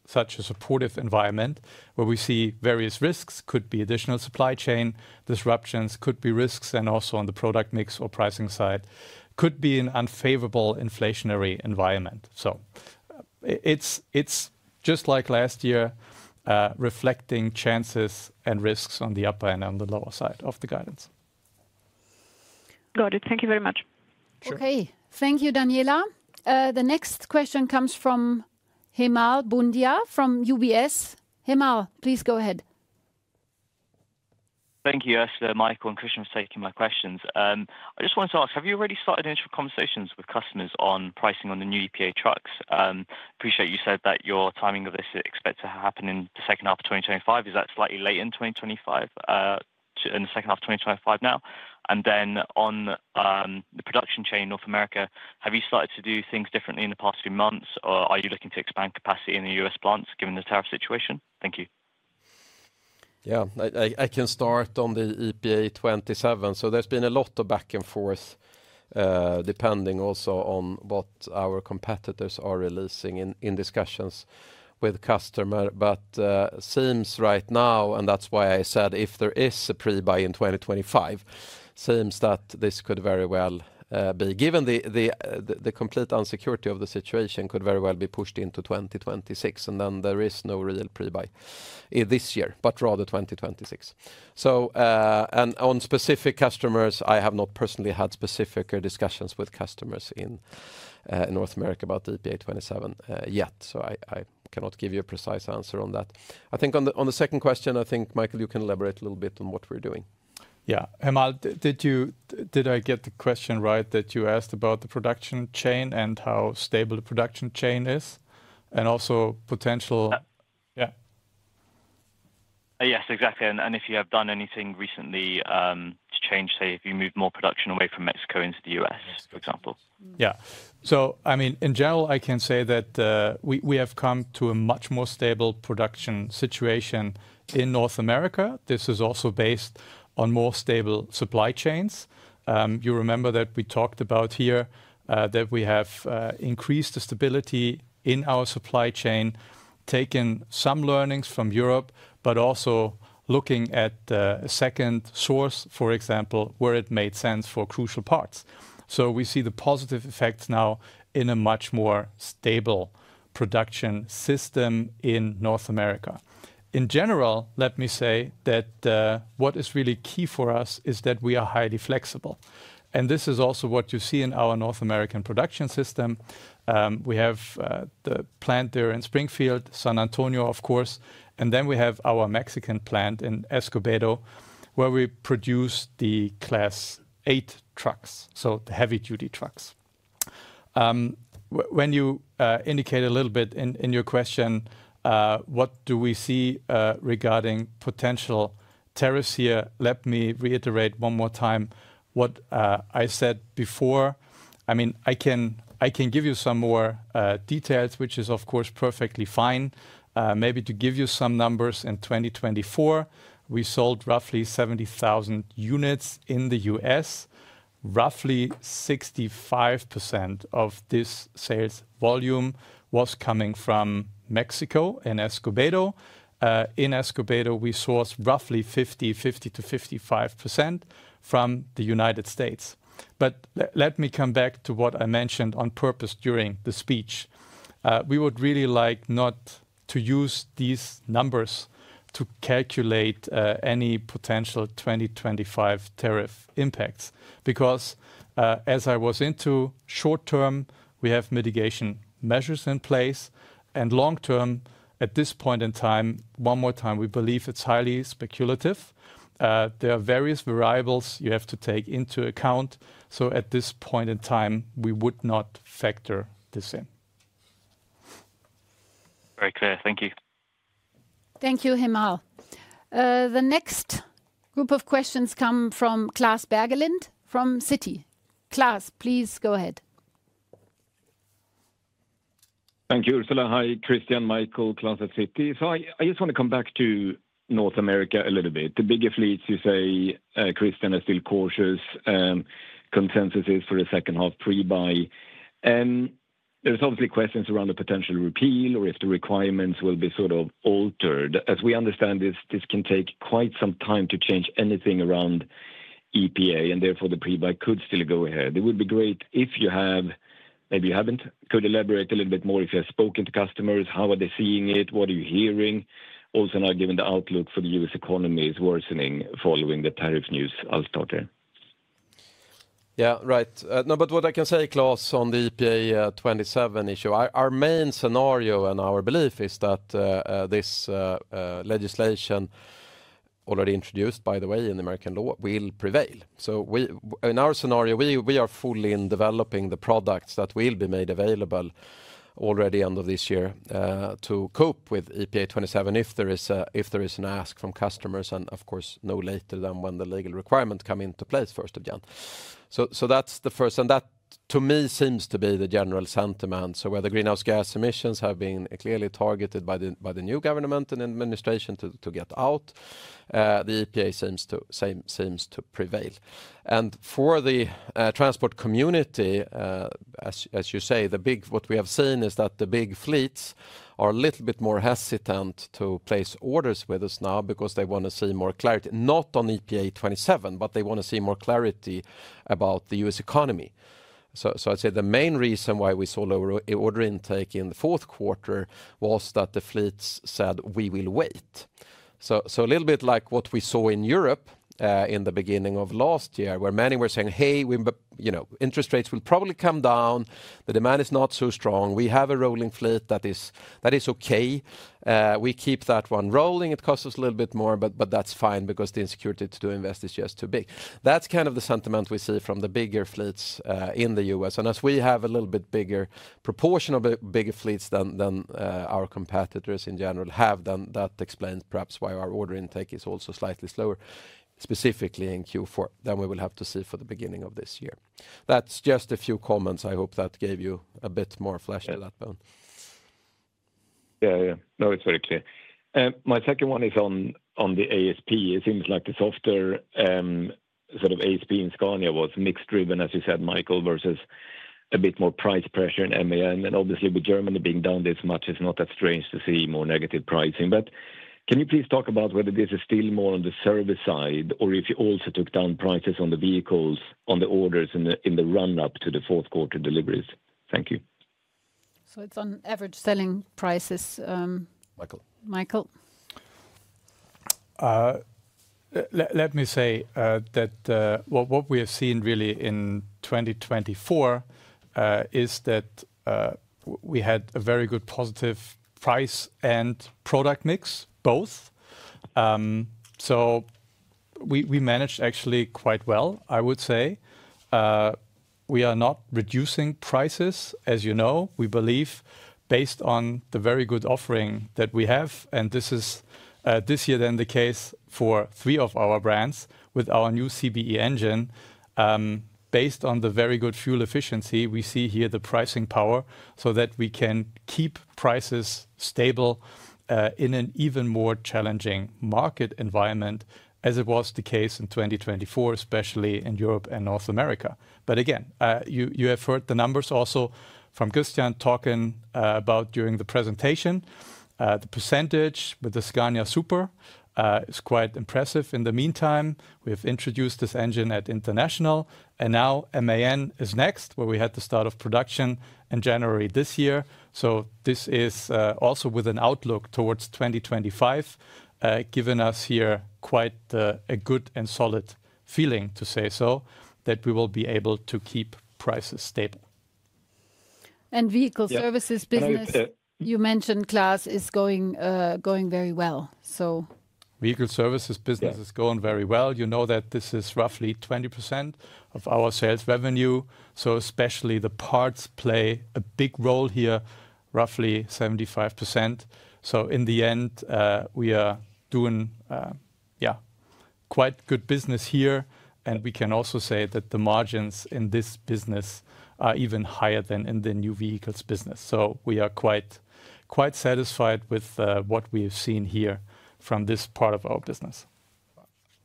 such a supportive environment where we see various risks. Could be additional supply chain disruptions, could be risks and also on the product mix or pricing side, could be an unfavorable inflationary environment. It is just like last year, reflecting chances and risks on the upper and on the lower side of the guidance. Got it. Thank you very much. Okay. Thank you, Daniela. The next question comes from Hemal Bundia from UBS. Hemal, please go ahead. Thank you, Ursula, Michael and Christian for taking my questions. I just wanted to ask, have you already started initial conversations with customers on pricing on the new EPA trucks? Appreciate you said that your timing of this is expected to happen in the second half of 2025. Is that slightly late in 2025, in the second half of 2025 now? On the production chain in North America, have you started to do things differently in the past few months or are you looking to expand capacity in the U.S. plants given the tariff situation? Thank you. Yeah, I can start on the EPA 27. There has been a lot of back and forth depending also on what our competitors are releasing in discussions with customers. It seems right now, and that is why I said if there is a pre-buy in 2025, it seems that this could very well be, given the complete unsecurity of the situation, could very well be pushed into 2026. There is no real pre-buy this year, but rather 2026. On specific customers, I have not personally had specific discussions with customers in North America about the EPA 27 yet. I cannot give you a precise answer on that. I think on the second question, I think Michael, you can elaborate a little bit on what we are doing. Yeah. Hemal, did I get the question right that you asked about the production chain and how stable the production chain is and also potential? Yeah. Yes, exactly. And if you have done anything recently to change, say if you move more production away from Mexico into the U.S., for example. Yeah. I mean, in general, I can say that we have come to a much more stable production situation in North America. This is also based on more stable supply chains. You remember that we talked about here that we have increased the stability in our supply chain, taken some learnings from Europe, but also looking at a second source, for example, where it made sense for crucial parts. We see the positive effects now in a much more stable production system in North America. In general, let me say that what is really key for us is that we are highly flexible. This is also what you see in our North American production system. We have the plant there in Springfield, San Antonio, of course. We have our Mexican plant in Escobedo, where we produce the Class 8 trucks, so the heavy-duty trucks. When you indicate a little bit in your question, what do we see regarding potential tariffs here, let me reiterate one more time what I said before. I mean, I can give you some more details, which is of course perfectly fine. Maybe to give you some numbers, in 2024, we sold roughly 70,000 units in the U.S. Roughly 65% of this sales volume was coming from Mexico and Escobedo. In Escobedo, we sourced roughly 50% - 55% from the United States. Let me come back to what I mentioned on purpose during the speech. We would really like not to use these numbers to calculate any potential 2025 tariff impacts because as I was into short term, we have mitigation measures in place. In the long term at this point in time, one more time, we believe it is highly speculative. There are various variables you have to take into account. At this point in time, we would not factor this in. Very clear. Thank you. Thank you, Hemal. The next group of questions come from Klas Bergelind from Citi. Klas, please go ahead. Thank you, Ursula. Hi, Christian, Michael, Klas at Citi. I just want to come back to North America a little bit. The bigger fleets, you say, Christian, are still cautious. Consensus is for a second half pre-buy. There's obviously questions around the potential repeal or if the requirements will be sort of altered. As we understand this, this can take quite some time to change anything around EPA and therefore the pre-buy could still go ahead. It would be great if you have, maybe you haven't, could elaborate a little bit more if you have spoken to customers. How are they seeing it? What are you hearing? Also, now given the outlook for the U.S. economy is worsening following the tariff news, I'll start there. Yeah, right. No, but what I can say, Klas, on the EPA 27 issue, our main scenario and our belief is that this legislation, already introduced by the way in American law, will prevail. In our scenario, we are fully in developing the products that will be made available already at the end of this year to cope with EPA 27 if there is an ask from customers and of course no later than when the legal requirement come into place first of June. That to me seems to be the general sentiment. Where the greenhouse gas emissions have been clearly targeted by the new government and administration to get out, the EPA seems to prevail. For the transport community, as you say, what we have seen is that the big fleets are a little bit more hesitant to place orders with us now because they want to see more clarity, not on EPA 27, but they want to see more clarity about the U.S. economy. I'd say the main reason why we saw lower order intake in the fourth quarter was that the fleets said we will wait. A little bit like what we saw in Europe in the beginning of last year where many were saying, hey, interest rates will probably come down. The demand is not so strong. We have a rolling fleet that is okay. We keep that one rolling. It costs us a little bit more, but that's fine because the insecurity to invest is just too big. That's kind of the sentiment we see from the bigger fleets in the U.S. As we have a little bit bigger proportion of the bigger fleets than our competitors in general have, that explains perhaps why our order intake is also slightly slower, specifically in Q4 than we will have to see for the beginning of this year. That's just a few comments. I hope that gave you a bit more flesh to that bone. Yeah, yeah. No, it's very clear. My second one is on the ASP. It seems like the softer sort of ASP in Scania was mix driven, as you said, Michael, versus a bit more price pressure in MAN. Obviously with Germany being down this much, it's not that strange to see more negative pricing. Can you please talk about whether this is still more on the service side or if you also took down prices on the vehicles on the orders in the run-up to the fourth quarter deliveries? Thank you. It's on average selling prices. Michael. Let me say that what we have seen really in 2024 is that we had a very good positive price and product mix, both. We managed actually quite well, I would say. We are not reducing prices, as you know. We believe based on the very good offering that we have. This is this year then the case for three of our brands with our new CBE engine. Based on the very good fuel efficiency, we see here the pricing power so that we can keep prices stable in an even more challenging market environment as it was the case in 2024, especially in Europe and North America. Again, you have heard the numbers also from Christian talking about during the presentation. The percentage with the Scania Super is quite impressive. In the meantime, we have introduced this engine at International and now MAN is next where we had the start of production in January this year This is also with an outlook towards 2025, giving us here quite a good and solid feeling to say so that we will be able to keep prices stable. Vehicle services business, you mentioned Klas, is going very well. Vehicle services business is going very well. You know that this is roughly 20% of our sales revenue. Especially the parts play a big role here, roughly 75%. In the end, we are doing, yeah, quite good business here. We can also say that the margins in this business are even higher than in the new vehicles business. We are quite satisfied with what we have seen here from this part of our business.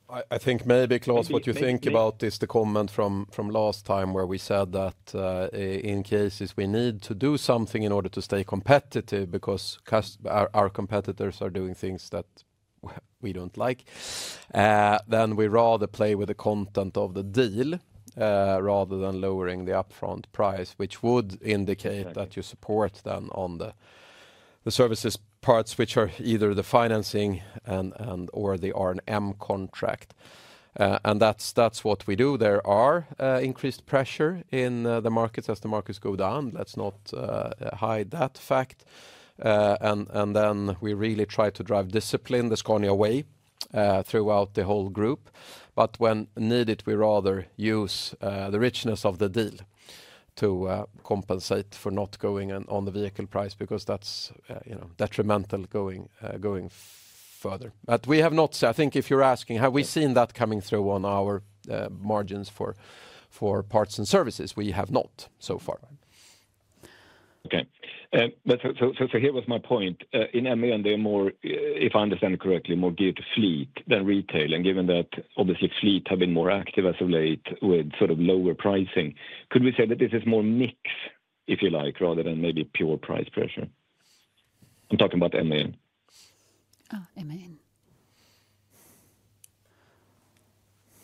I think maybe, Klas, what you think about is the comment from last time where we said that in cases we need to do something in order to stay competitive because our competitors are doing things that we do not like, then we rather play with the content of the deal rather than lowering the upfront price, which would indicate that you support then on the services parts, which are either the financing and or the R&M contract. That is what we do. There is increased pressure in the markets as the markets go down. Let's not hide that fact. We really try to drive discipline the Scania way throughout the whole group. When needed, we rather use the richness of the deal to compensate for not going on the vehicle price because that is detrimental going further. We have not said, I think if you're asking, have we seen that coming through on our margins for parts and services? We have not so far. Okay. Here was my point. In MAN, they're more, if I understand it correctly, more geared to fleet than retail. And given that obviously fleet have been more active as of late with sort of lower pricing, could we say that this is more mix, if you like, rather than maybe pure price pressure? I'm talking about MAN. MAN.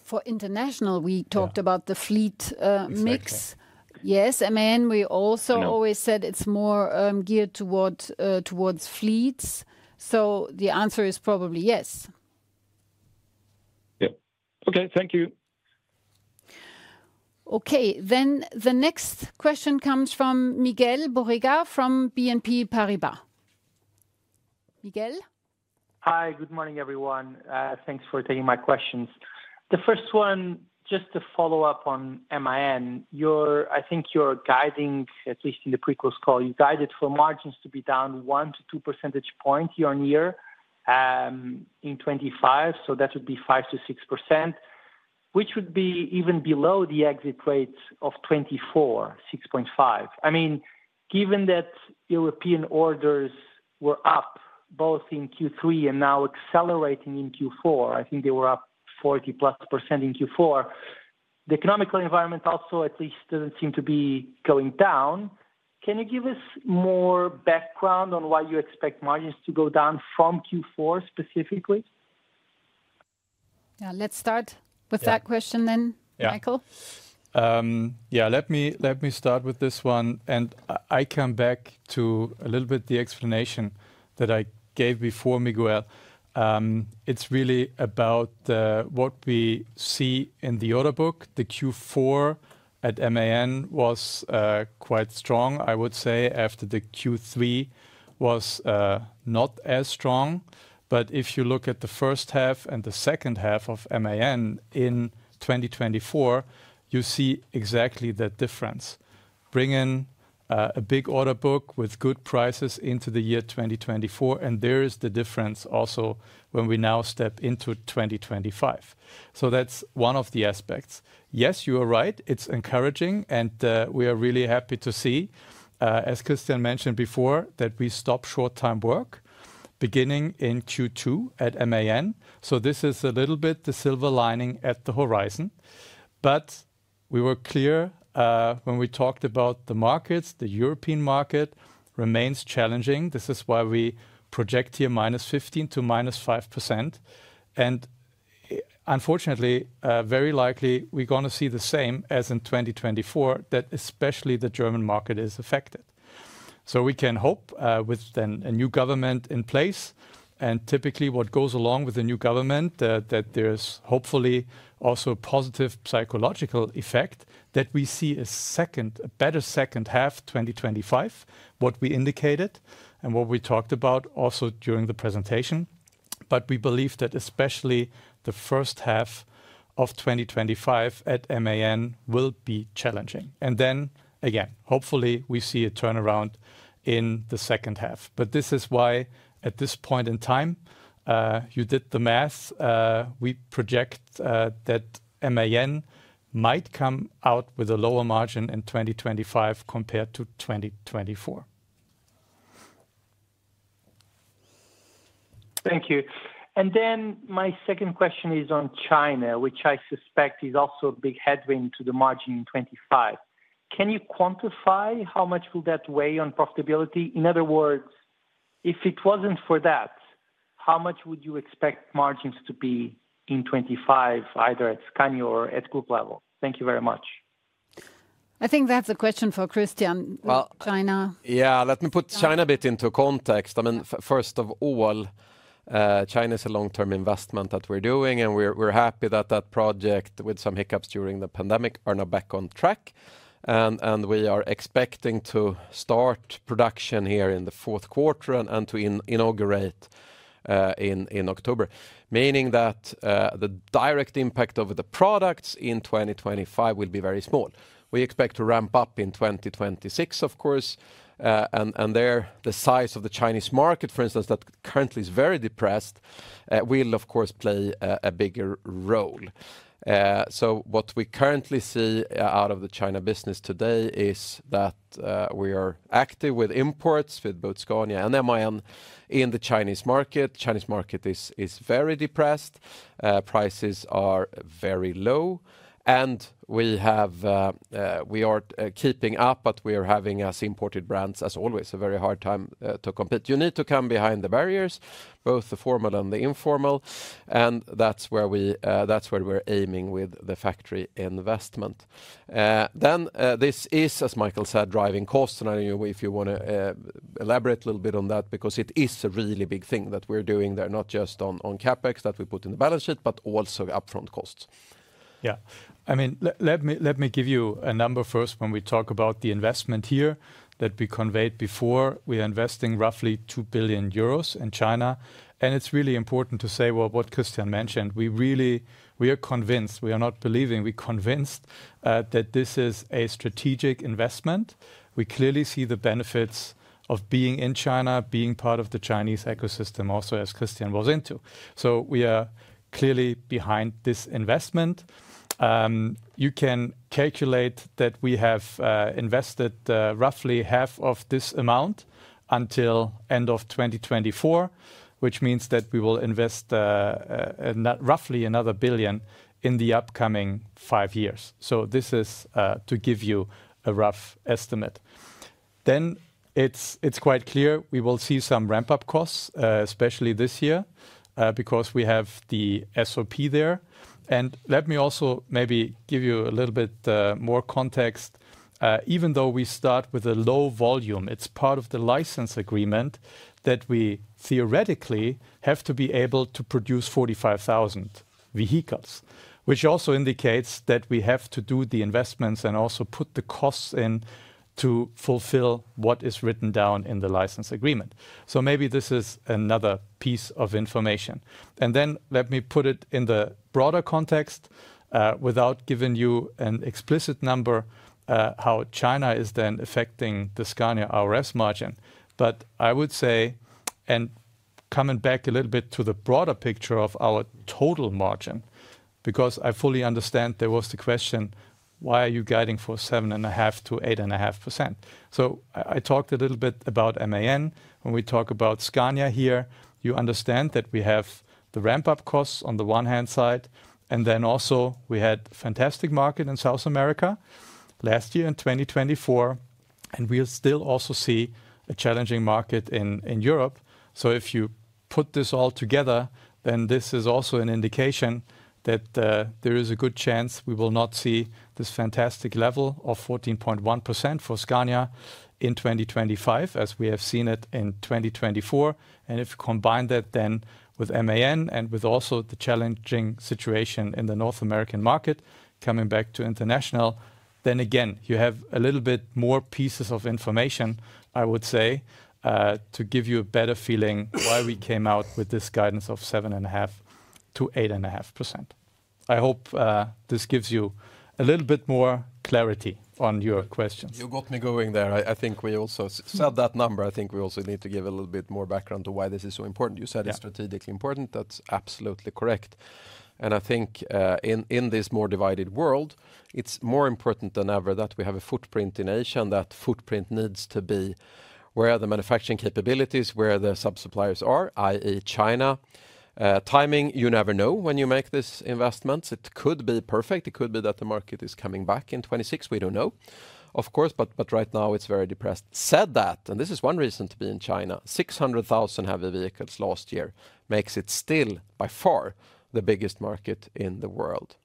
For International, we talked about the fleet mix. Yes, MAN, we also always said it's more geared towards fleets. So the answer is probably yes. Yeah. Okay. Thank you. Okay. The next question comes from Miguel Borrega from BNP Paribas. Miguel? Hi, good morning everyone. Thanks for taking my questions. The first one, just to follow up on MAN, I think you're guiding, at least in the pre-close call, you guided for margins to be down one to two percentage points year on year in 2025. So that would be 5%-6%, which would be even below the exit rate of 2024, 6.5%. I mean, given that European orders were up both in Q3 and now accelerating in Q4, I think they were up 40% plus in Q4. The economical environment also at least doesn't seem to be going down. Can you give us more background on why you expect margins to go down from Q4 specifically? Yeah, let's start with that question then, Michael. Yeah, let me start with this one. And I come back to a little bit the explanation that I gave before, Miguel. It's really about what we see in the order book. The Q4 at MAN was quite strong, I would say, after the Q3 was not as strong. If you look at the first half and the second half of MAN in 2024, you see exactly that difference. Bring in a big order book with good prices into the year 2024. There is the difference also when we now step into 2025. That is one of the aspects. Yes, you are right. It's encouraging. We are really happy to see, as Christian mentioned before, that we stop short-term work beginning in Q2 at MAN. This is a little bit the silver lining at the horizon. We were clear when we talked about the markets, the European market remains challenging. This is why we project here minus 15% to minus 5%. Unfortunately, very likely we're going to see the same as in 2024, that especially the German market is affected. We can hope with then a new government in place. Typically what goes along with the new government, that there's hopefully also a positive psychological effect that we see a better second half 2025, what we indicated and what we talked about also during the presentation. We believe that especially the first half of 2025 at MAN will be challenging. Hopefully we see a turnaround in the second half. This is why at this point in time, you did the math, we project that MAN might come out with a lower margin in 2025 compared to 2024. Thank you. My second question is on China, which I suspect is also a big headwind to the margin in 2025. Can you quantify how much will that weigh on profitability? In other words, if it wasn't for that, how much would you expect margins to be in 2025, either at Scania or at group level? Thank you very much. I think that's a question for Christian. China. Yeah, let me put China a bit into context. I mean, first of all, China is a long-term investment that we're doing. And we're happy that that project, with some hiccups during the pandemic, is now back on track. We are expecting to start production here in the fourth quarter and to inaugurate in October, meaning that the direct impact of the products in 2025 will be very small. We expect to ramp up in 2026, of course. There, the size of the Chinese market, for instance, that currently is very depressed, will of course play a bigger role. What we currently see out of the China business today is that we are active with imports with both Scania and MAN in the Chinese market. The Chinese market is very depressed. Prices are very low. We are keeping up, but we are having, as imported brands as always, a very hard time to compete. You need to come behind the barriers, both the formal and the informal. That is where we are aiming with the factory investment. This is, as Michael said, driving costs. I do not know if you want to elaborate a little bit on that because it is a really big thing that we are doing there, not just on CapEx that we put in the Balance sheet, but also upfront costs. I mean, let me give you a number first when we talk about the investment here that we conveyed before. We are investing roughly 2 billion euros in China. It is really important to say, what Christian mentioned, we really, we are convinced, we are not believing, we are convinced that this is a strategic investment. We clearly see the benefits of being in China, being part of the Chinese ecosystem also as Christian was into. We are clearly behind this investment. You can calculate that we have invested roughly half of this amount until end of 2024, which means that we will invest roughly another 1 billion in the upcoming five years. This is to give you a rough estimate. It is quite clear we will see some ramp-up costs, especially this year because we have the SOP there. Let me also maybe give you a little bit more context. Even though we start with a low volume, it's part of the license agreement that we theoretically have to be able to produce 45,000 vehicles, which also indicates that we have to do the investments and also put the costs in to fulfill what is written down in the license agreement. Maybe this is another piece of information. Let me put it in the broader context without giving you an explicit number how China is then affecting the Scania RS margin. I would say, and coming back a little bit to the broader picture of our total margin, because I fully understand there was the question, why are you guiding for 7.5% - 8.5%? I talked a little bit about MAN. When we talk about Scania here, you understand that we have the ramp-up costs on the one hand side. We had a fantastic market in South America last year in 2024. We still also see a challenging market in Europe. If you put this all together, this is also an indication that there is a good chance we will not see this fantastic level of 14.1% for Scania in 2025, as we have seen it in 2024. If you combine that with MAN and also the challenging situation in the North American market, coming back to International, then again, you have a little bit more pieces of information, I would say, to give you a better feeling why we came out with this guidance of 7.5-8.5%. I hope this gives you a little bit more clarity on your questions. You got me going there. I think we also said that number. I think we also need to give a little bit more background to why this is so important. You said it's strategically important. That's absolutely correct. I think in this more divided world, it's more important than ever that we have a footprint in Asia. That footprint needs to be where the manufacturing capabilities, where the subsuppliers are, i.e., China. Timing, you never know when you make this investment. It could be perfect. It could be that the market is coming back in 2026. We don't know, of course. Right now, it's very depressed. Said that, and this is one reason to be in China, 600,000 heavy vehicles last year makes it still by far the biggest market in the world.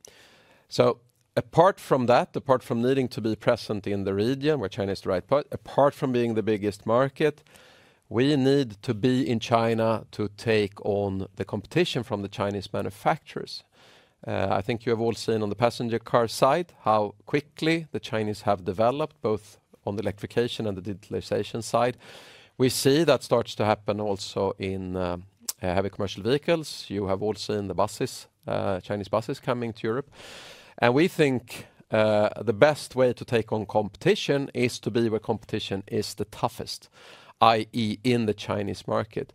Apart from that, apart from needing to be present in the region where China is the right part, apart from being the biggest market, we need to be in China to take on the competition from the Chinese manufacturers. I think you have all seen on the passenger car side how quickly the Chinese have developed both on the electrification and the digitalization side. We see that starts to happen also in heavy commercial vehicles. You have all seen the Chinese buses coming to Europe. We think the best way to take on competition is to be where competition is the toughest, i.e., in the Chinese market,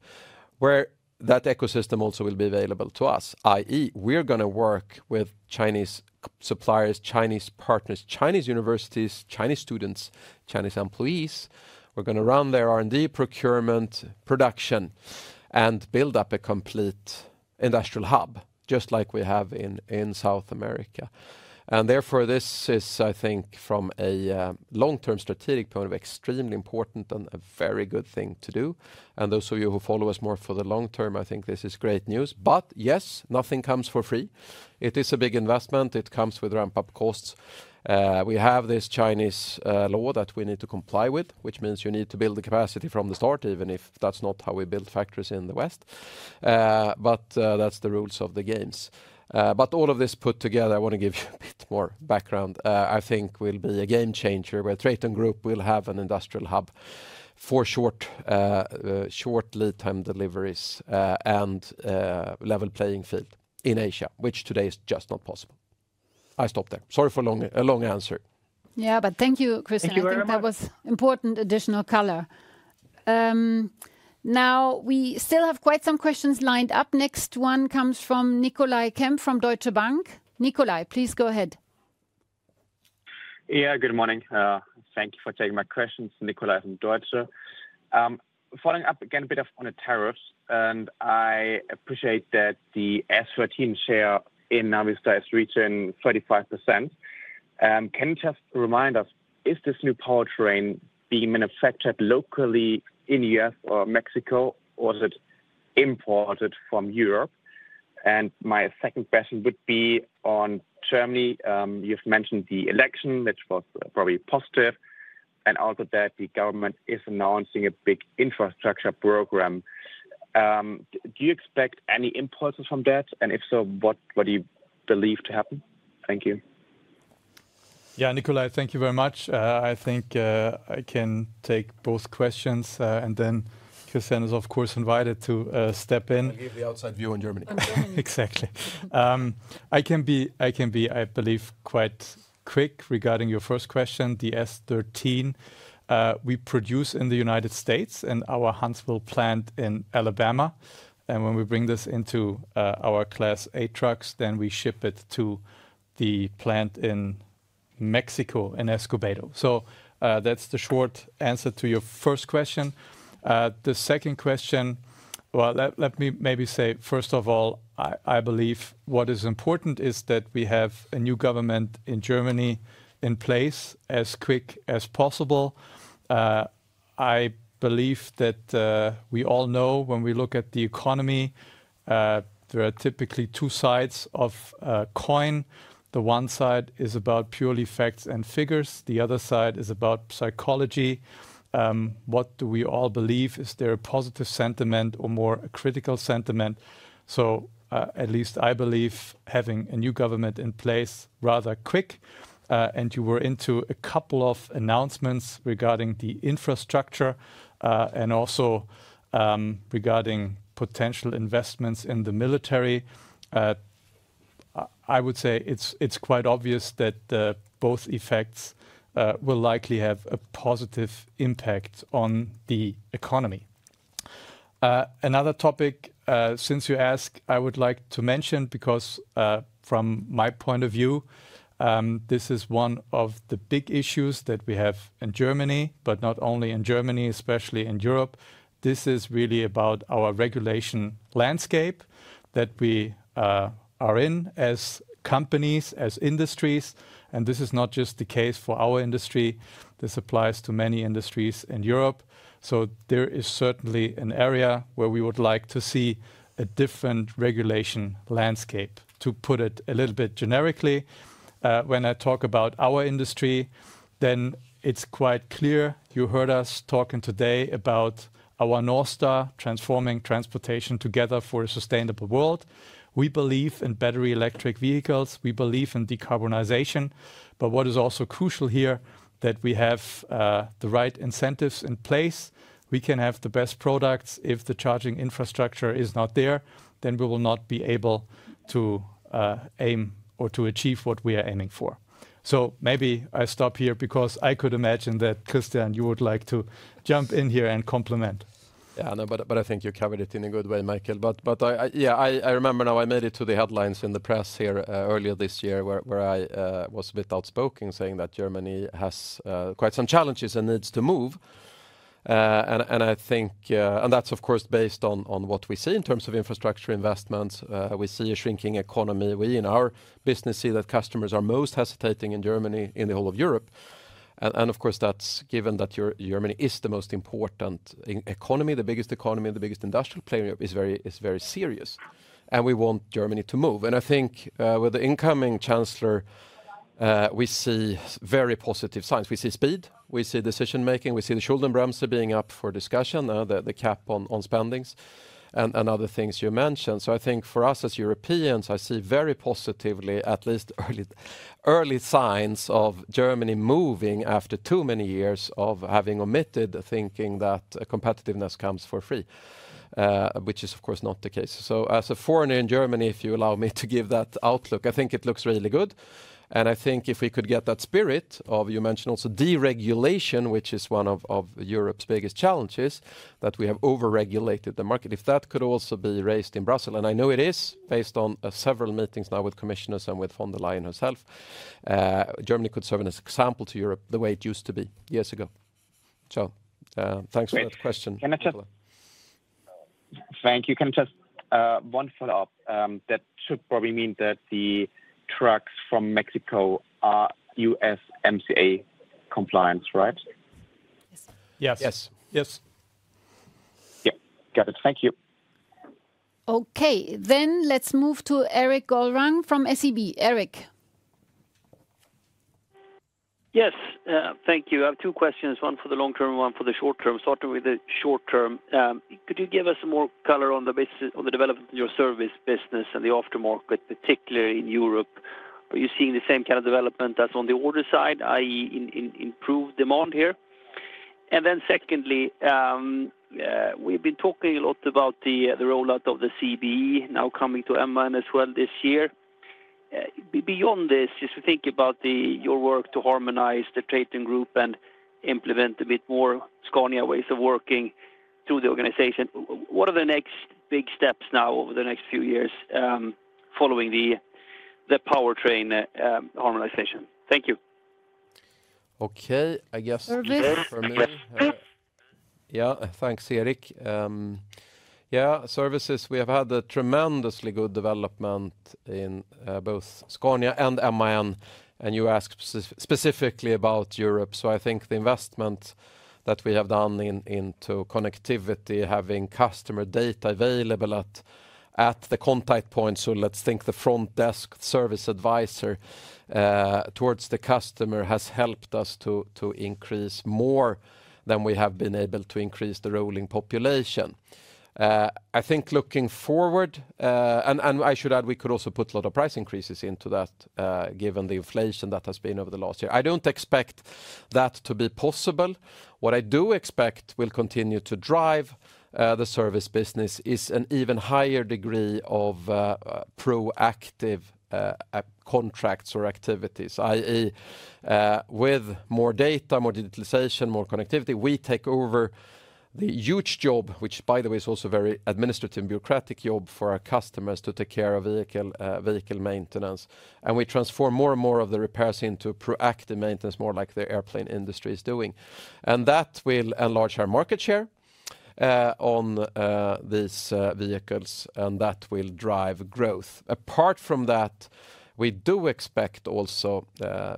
where that ecosystem also will be available to us. i.e., we're going to work with Chinese suppliers, Chinese partners, Chinese universities, Chinese students, Chinese employees. We're going to run their R&D procurement, production, and build up a complete industrial hub, just like we have in South America. Therefore, this is, I think, from a long-term strategic point of view extremely important and a very good thing to do. Those of you who follow us more for the long term, I think this is great news. Yes, nothing comes for free. It is a big investment. It comes with ramp-up costs. We have this Chinese law that we need to comply with, which means you need to build the capacity from the start, even if that's not how we build factories in the West. That's the rules of the game. All of this put together, I want to give you a bit more background. I think will be a game changer where TRATON Group will have an industrial hub for short lead time deliveries and level playing field in Asia, which today is just not possible. I stopped there. Sorry for a long answer. Yeah, but thank you, Christian. I think that was important additional color. Now, we still have quite some questions lined up. Next one comes from Nicolai Kempf from Deutsche Bank. Nicolai, please go ahead. Yeah, good morning. Thank you for taking my questions, Nicolai from Deutsche. Following up again a bit on the tariffs, and I appreciate that the S13 share in Navistar is reaching 35%. Can you just remind us, is this new powertrain being manufactured locally in the U.S. or Mexico, or is it imported from Europe? And my second question would be on Germany. You've mentioned the election, which was probably positive, and also that the government is announcing a big infrastructure program. Do you expect any impulses from that? If so, what do you believe to happen? Thank you. Yeah, Nicolai, thank you very much. I think I can take both questions. Christian is, of course, invited to step in. I'll give the outside view on Germany. Exactly. I can be, I believe, quite quick regarding your first question, the S13. We produce in the United States at our Huntsville plant in Alabama. When we bring this into our Class 8 trucks, we ship it to the plant in Mexico in Escobedo. That's the short answer to your first question. The second question, let me maybe say, first of all, I believe what is important is that we have a new government in Germany in place as quick as possible. I believe that we all know when we look at the economy, there are typically two sides of a coin. The one side is about purely facts and figures. The other side is about psychology. What do we all believe? Is there a positive sentiment or more a critical sentiment? At least I believe having a new government in place rather quick. You were into a couple of announcements regarding the infrastructure and also regarding potential investments in the military. I would say it's quite obvious that both effects will likely have a positive impact on the economy. Another topic, since you asked, I would like to mention because from my point of view, this is one of the big issues that we have in Germany, but not only in Germany, especially in Europe. This is really about our regulation landscape that we are in as companies, as industries. This is not just the case for our industry. This applies to many industries in Europe. There is certainly an area where we would like to see a different regulation landscape, to put it a little bit generically. When I talk about our industry, then it's quite clear. You heard us talking today about our North Star transforming transportation together for a sustainable world. We believe in battery electric vehicles. We believe in decarbonization. What is also crucial here is that we have the right incentives in place. We can have the best products. If the charging infrastructure is not there, then we will not be able to aim or to achieve what we are aiming for. Maybe I stop here because I could imagine that Christian, you would like to jump in here and compliment. Yeah, no, but I think you covered it in a good way, Michael. Yeah, I remember now I made it to the headlines in the press here earlier this year where I was a bit outspoken saying that Germany has quite some challenges and needs to move. I think, and that's of course based on what we see in terms of infrastructure investments. We see a shrinking economy. We in our business see that customers are most hesitating in Germany, in the whole of Europe. Of course, that's given that Germany is the most important economy, the biggest economy, the biggest industrial player, is very serious. We want Germany to move. I think with the incoming chancellor, we see very positive signs. We see speed. We see decision making. We see the Schuldenbremse being up for discussion, the cap on spendings and other things you mentioned. I think for us as Europeans, I see very positively, at least early signs of Germany moving after too many years of having omitted thinking that competitiveness comes for free, which is of course not the case. As a foreigner in Germany, if you allow me to give that outlook, I think it looks really good. I think if we could get that spirit of, you mentioned also deregulation, which is one of Europe's biggest challenges, that we have overregulated the market, if that could also be raised in Brussels. I know it is based on several meetings now with commissioners and with von der Leyen herself. Germany could serve as an example to Europe the way it used to be years ago. Thanks for that question. Thank you. Can I just one follow-up? That should probably mean that the trucks from Mexico are U.S. MCA compliant, right? Yes. Yes. Yes. Yep. Got it. Thank you. Okay. Let's move to Erik Golrang from SEB. Erik. Yes. Thank you. I have two questions, one for the long term, one for the short term. Starting with the short term, could you give us more color on the development of your service business and the aftermarket, particularly in Europe? Are you seeing the same kind of development as on the order side, i.e., improved demand here? Secondly, we've been talking a lot about the rollout of the CBE now coming to M1 as well this year. Beyond this, just to think about your work to harmonize the TRATON Group and implement a bit more Scania ways of working through the organization. What are the next big steps now over the next few years following the powertrain harmonization? Thank you. Okay. I guess. Yeah. Thanks, Erik. Yeah. Services, we have had a tremendously good development in both Scania and M1. You asked specifically about Europe. I think the investment that we have done into connectivity, having customer data available at the contact point, so let's think the front desk service advisor towards the customer, has helped us to increase more than we have been able to increase the rolling population. I think looking forward, and I should add, we could also put a lot of price increases into that given the inflation that has been over the last year. I do not expect that to be possible. What I do expect will continue to drive the service business is an even higher degree of proactive contracts or activities, i.e., with more data, more digitalization, more connectivity, we take over the huge job, which by the way is also a very administrative and bureaucratic job for our customers to take care of vehicle maintenance. We transform more and more of the repairs into proactive maintenance, more like the airplane industry is doing. That will enlarge our market share on these vehicles. That will drive growth. Apart from that, we do expect also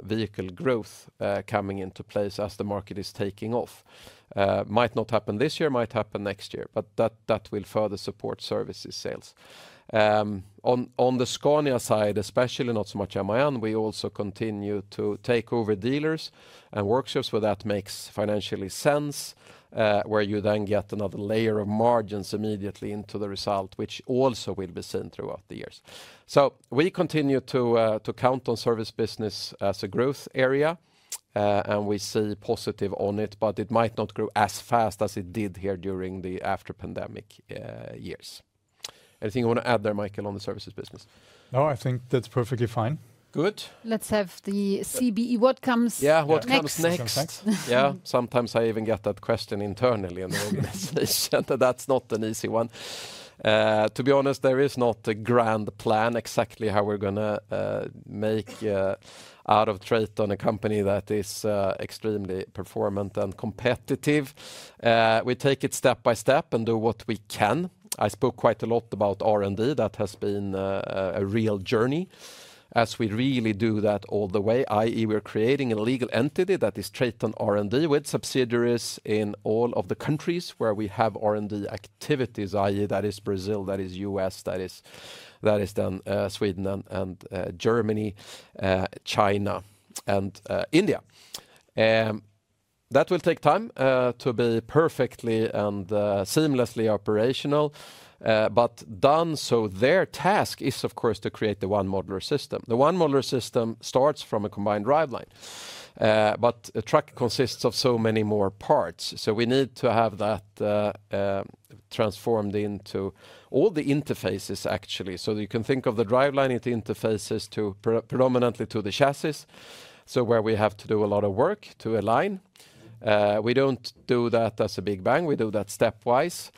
vehicle growth coming into place as the market is taking off. Might not happen this year, might happen next year, but that will further support services sales. On the Scania side, especially not so much M1, we also continue to take over dealers and workshops where that makes financial sense, where you then get another layer of margins immediately into the result, which also will be seen throughout the years. We continue to count on service business as a growth area, and we see positive on it, but it might not grow as fast as it did here during the after-pandemic years. Anything you want to add there, Michael, on the services business? No, I think that's perfectly fine. Good. Let's have the CBE. What comes next? Yeah, what comes next? Yeah, sometimes I even get that question internally in the organization that that's not an easy one. To be honest, there is not a grand plan exactly how we're going to make out of TRATON a company that is extremely performant and competitive. We take it step by step and do what we can. I spoke quite a lot about R&D. That has been a real journey as we really do that all the way, i.e., we're creating a legal entity that is TRATON R&D with subsidiaries in all of the countries where we have R&D activities, i.e., that is Brazil, that is U.S., that is then Sweden and Germany, China, and India. That will take time to be perfectly and seamlessly operational, but done. Their task is, of course, to create the one modular system. The one modular system starts from a combined driveline, but a truck consists of so many more parts. We need to have that transformed into all the interfaces, actually. You can think of the driveline interfaces predominantly to the chassis, where we have to do a lot of work to align. We do not do that as a big bang. We do that stepwise.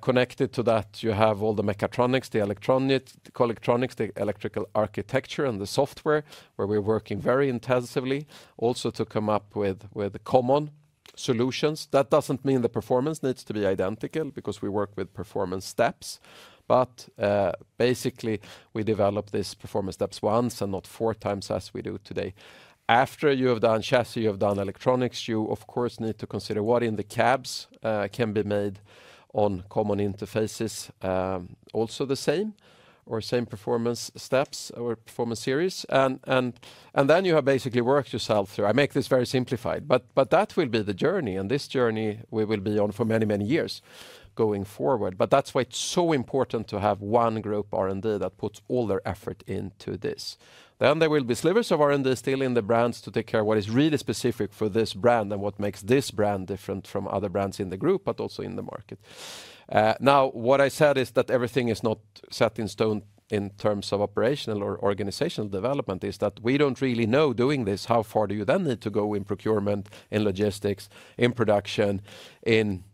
Connected to that, you have all the mechatronics, the electronics, the electrical architecture, and the software where we are working very intensively, also to come up with common solutions. That does not mean the performance needs to be identical because we work with performance steps. Basically, we develop these performance steps once and not four times as we do today. After you have done chassis, you have done electronics, you of course need to consider what in the cabs can be made on common interfaces, also the same or same performance steps or performance series. You have basically worked yourself through. I make this very simplified, but that will be the journey. This journey we will be on for many, many years going forward. That is why it is so important to have one group R&D that puts all their effort into this. There will be slivers of R&D still in the brands to take care of what is really specific for this brand and what makes this brand different from other brands in the group, but also in the market. Now, what I said is that everything is not set in stone in terms of operational or organizational development is that we don't really know doing this. How far do you then need to go in procurement, in logistics, in production, in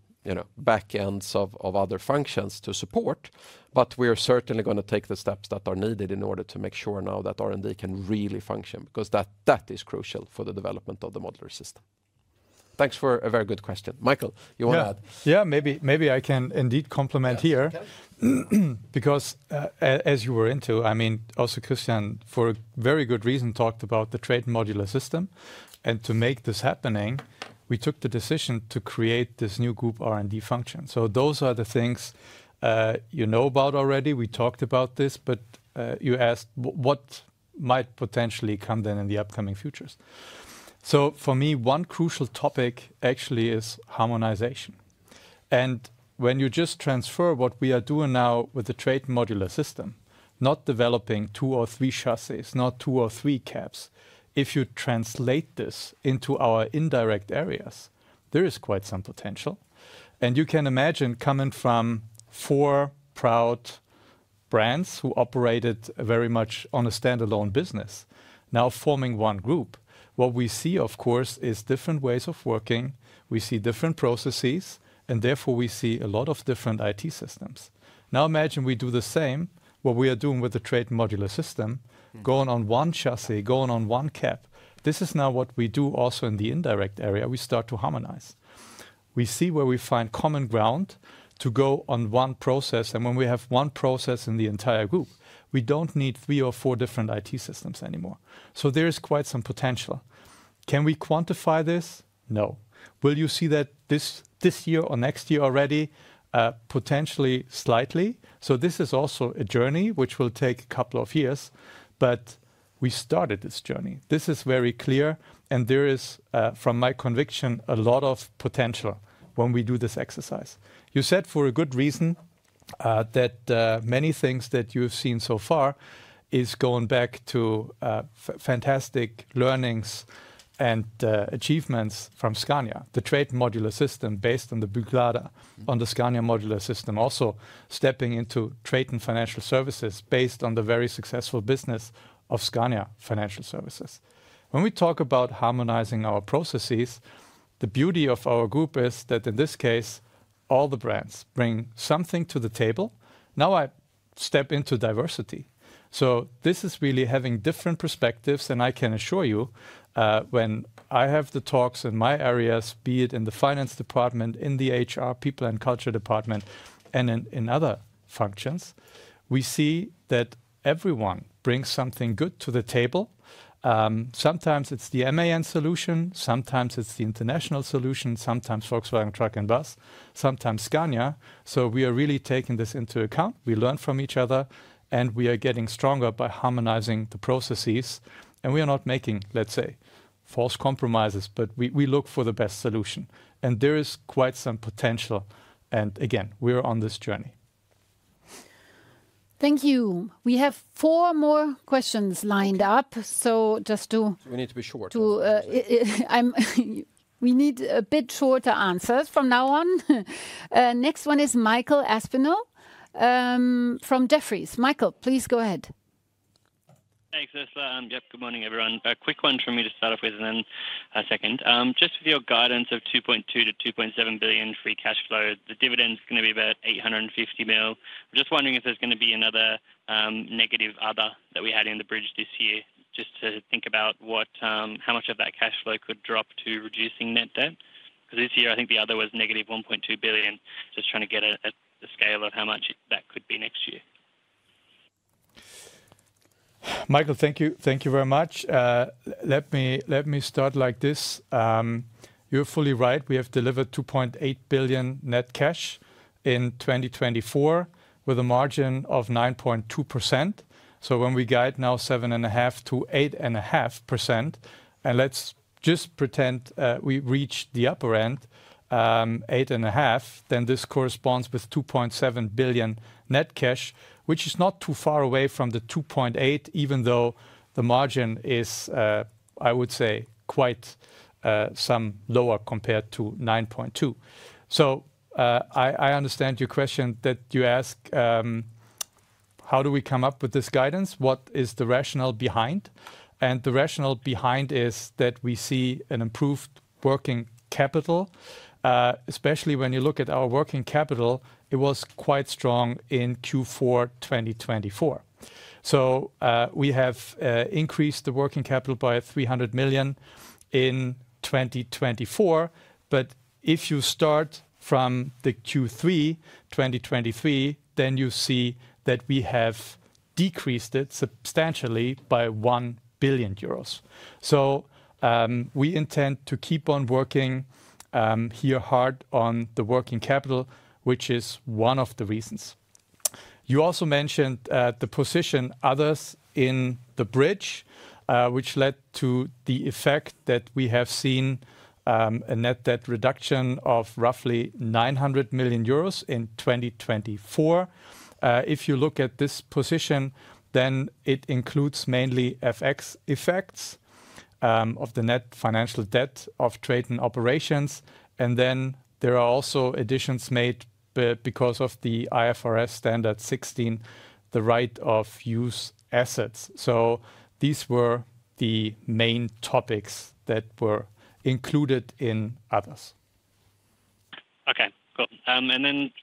backends of other functions to support? We are certainly going to take the steps that are needed in order to make sure now that R&D can really function because that is crucial for the development of the modular system. Thanks for a very good question. Michael, you want to add? Yeah, maybe I can indeed complement here because as you were into, I mean, also Christian for a very good reason talked about the TRATON modular system. To make this happening, we took the decision to create this new group R&D function. Those are the things you know about already. We talked about this, but you asked what might potentially come then in the upcoming futures. For me, one crucial topic actually is harmonization. When you just transfer what we are doing now with the TRATON modular system, not developing two or three chassis, not two or three cabs, if you translate this into our indirect areas, there is quite some potential. You can imagine coming from four proud brands who operated very much on a standalone business now forming one group. What we see, of course, is different ways of working. We see different processes, and therefore we see a lot of different IT systems. Now imagine we do the same what we are doing with the TRATON modular system, going on one chassis, going on one cab. This is now what we do also in the indirect area. We start to harmonize. We see where we find common ground to go on one process. When we have one process in the entire group, we do not need three or four different IT systems anymore. There is quite some potential. Can we quantify this? No. Will you see that this year or next year already potentially slightly? This is also a journey which will take a couple of years, but we started this journey. This is very clear. There is, from my conviction, a lot of potential when we do this exercise. You said for a good reason that many things that you have seen so far are going back to fantastic learnings and achievements from Scania, the TRATON modular system based on the Büchlader, on the Scania modular system, also stepping into TRATON Financial Services based on the very successful business of Scania Financial Services. When we talk about harmonizing our processes, the beauty of our group is that in this case, all the brands bring something to the table. Now I step into diversity. This is really having different perspectives. I can assure you when I have the talks in my areas, be it in the finance department, in the HR, people and culture department, and in other functions, we see that everyone brings something good to the table. Sometimes it's the M1 solution, sometimes it's the International solution, sometimes Volkswagen Truck and Bus, sometimes Scania. We are really taking this into account. We learn from each other, and we are getting stronger by harmonizing the processes. We are not making, let's say, false compromises, but we look for the best solution. There is quite some potential. Again, we're on this journey. Thank you. We have four more questions lined up. Just to, we need to be short. We need a bit shorter answers from now on. Next one is Michael Aspinall from Jefferies. Michael, please go ahead. Thanks, Ursula. Yep. Good morning, everyone. A quick one for me to start off with in a second. Just with your guidance of 2.2 billion-2.7 billion Free cash flow, the dividend is going to be about 850 million. I'm just wondering if there's going to be another negative other that we had in the bridge this year, just to think about how much of that cash flow could drop to reducing net debt. Because this year, I think the other was negative 1.2 billion. Just trying to get at the scale of how much that could be next year. Michael, thank you. Thank you very much. Let me start like this. You're fully right. We have delivered 2.8 billion net cash in 2024 with a margin of 9.2%. When we guide now 7.5%-8.5%, and let's just pretend we reach the upper end, 8.5%, then this corresponds with 2.7 billion net cash, which is not too far away from the 2.8, even though the margin is, I would say, quite some lower compared to 9.2%. I understand your question that you ask, how do we come up with this guidance? What is the rationale behind? The rationale behind is that we see an improved working capital, especially when you look at our working capital. It was quite strong in Q4 2024. We have increased the working capital by 300 million in 2024. If you start from Q3 2023, then you see that we have decreased it substantially by 1 billion euros. We intend to keep on working here hard on the working capital, which is one of the reasons. You also mentioned the position others in the bridge, which led to the effect that we have seen a net debt reduction of roughly 900 million euros in 2024. If you look at this position, then it includes mainly FX effects of the net financial debt of TRATON operations. There are also additions made because of the IFRS standard 16, the right of use assets. These were the main topics that were included in others. Okay, cool.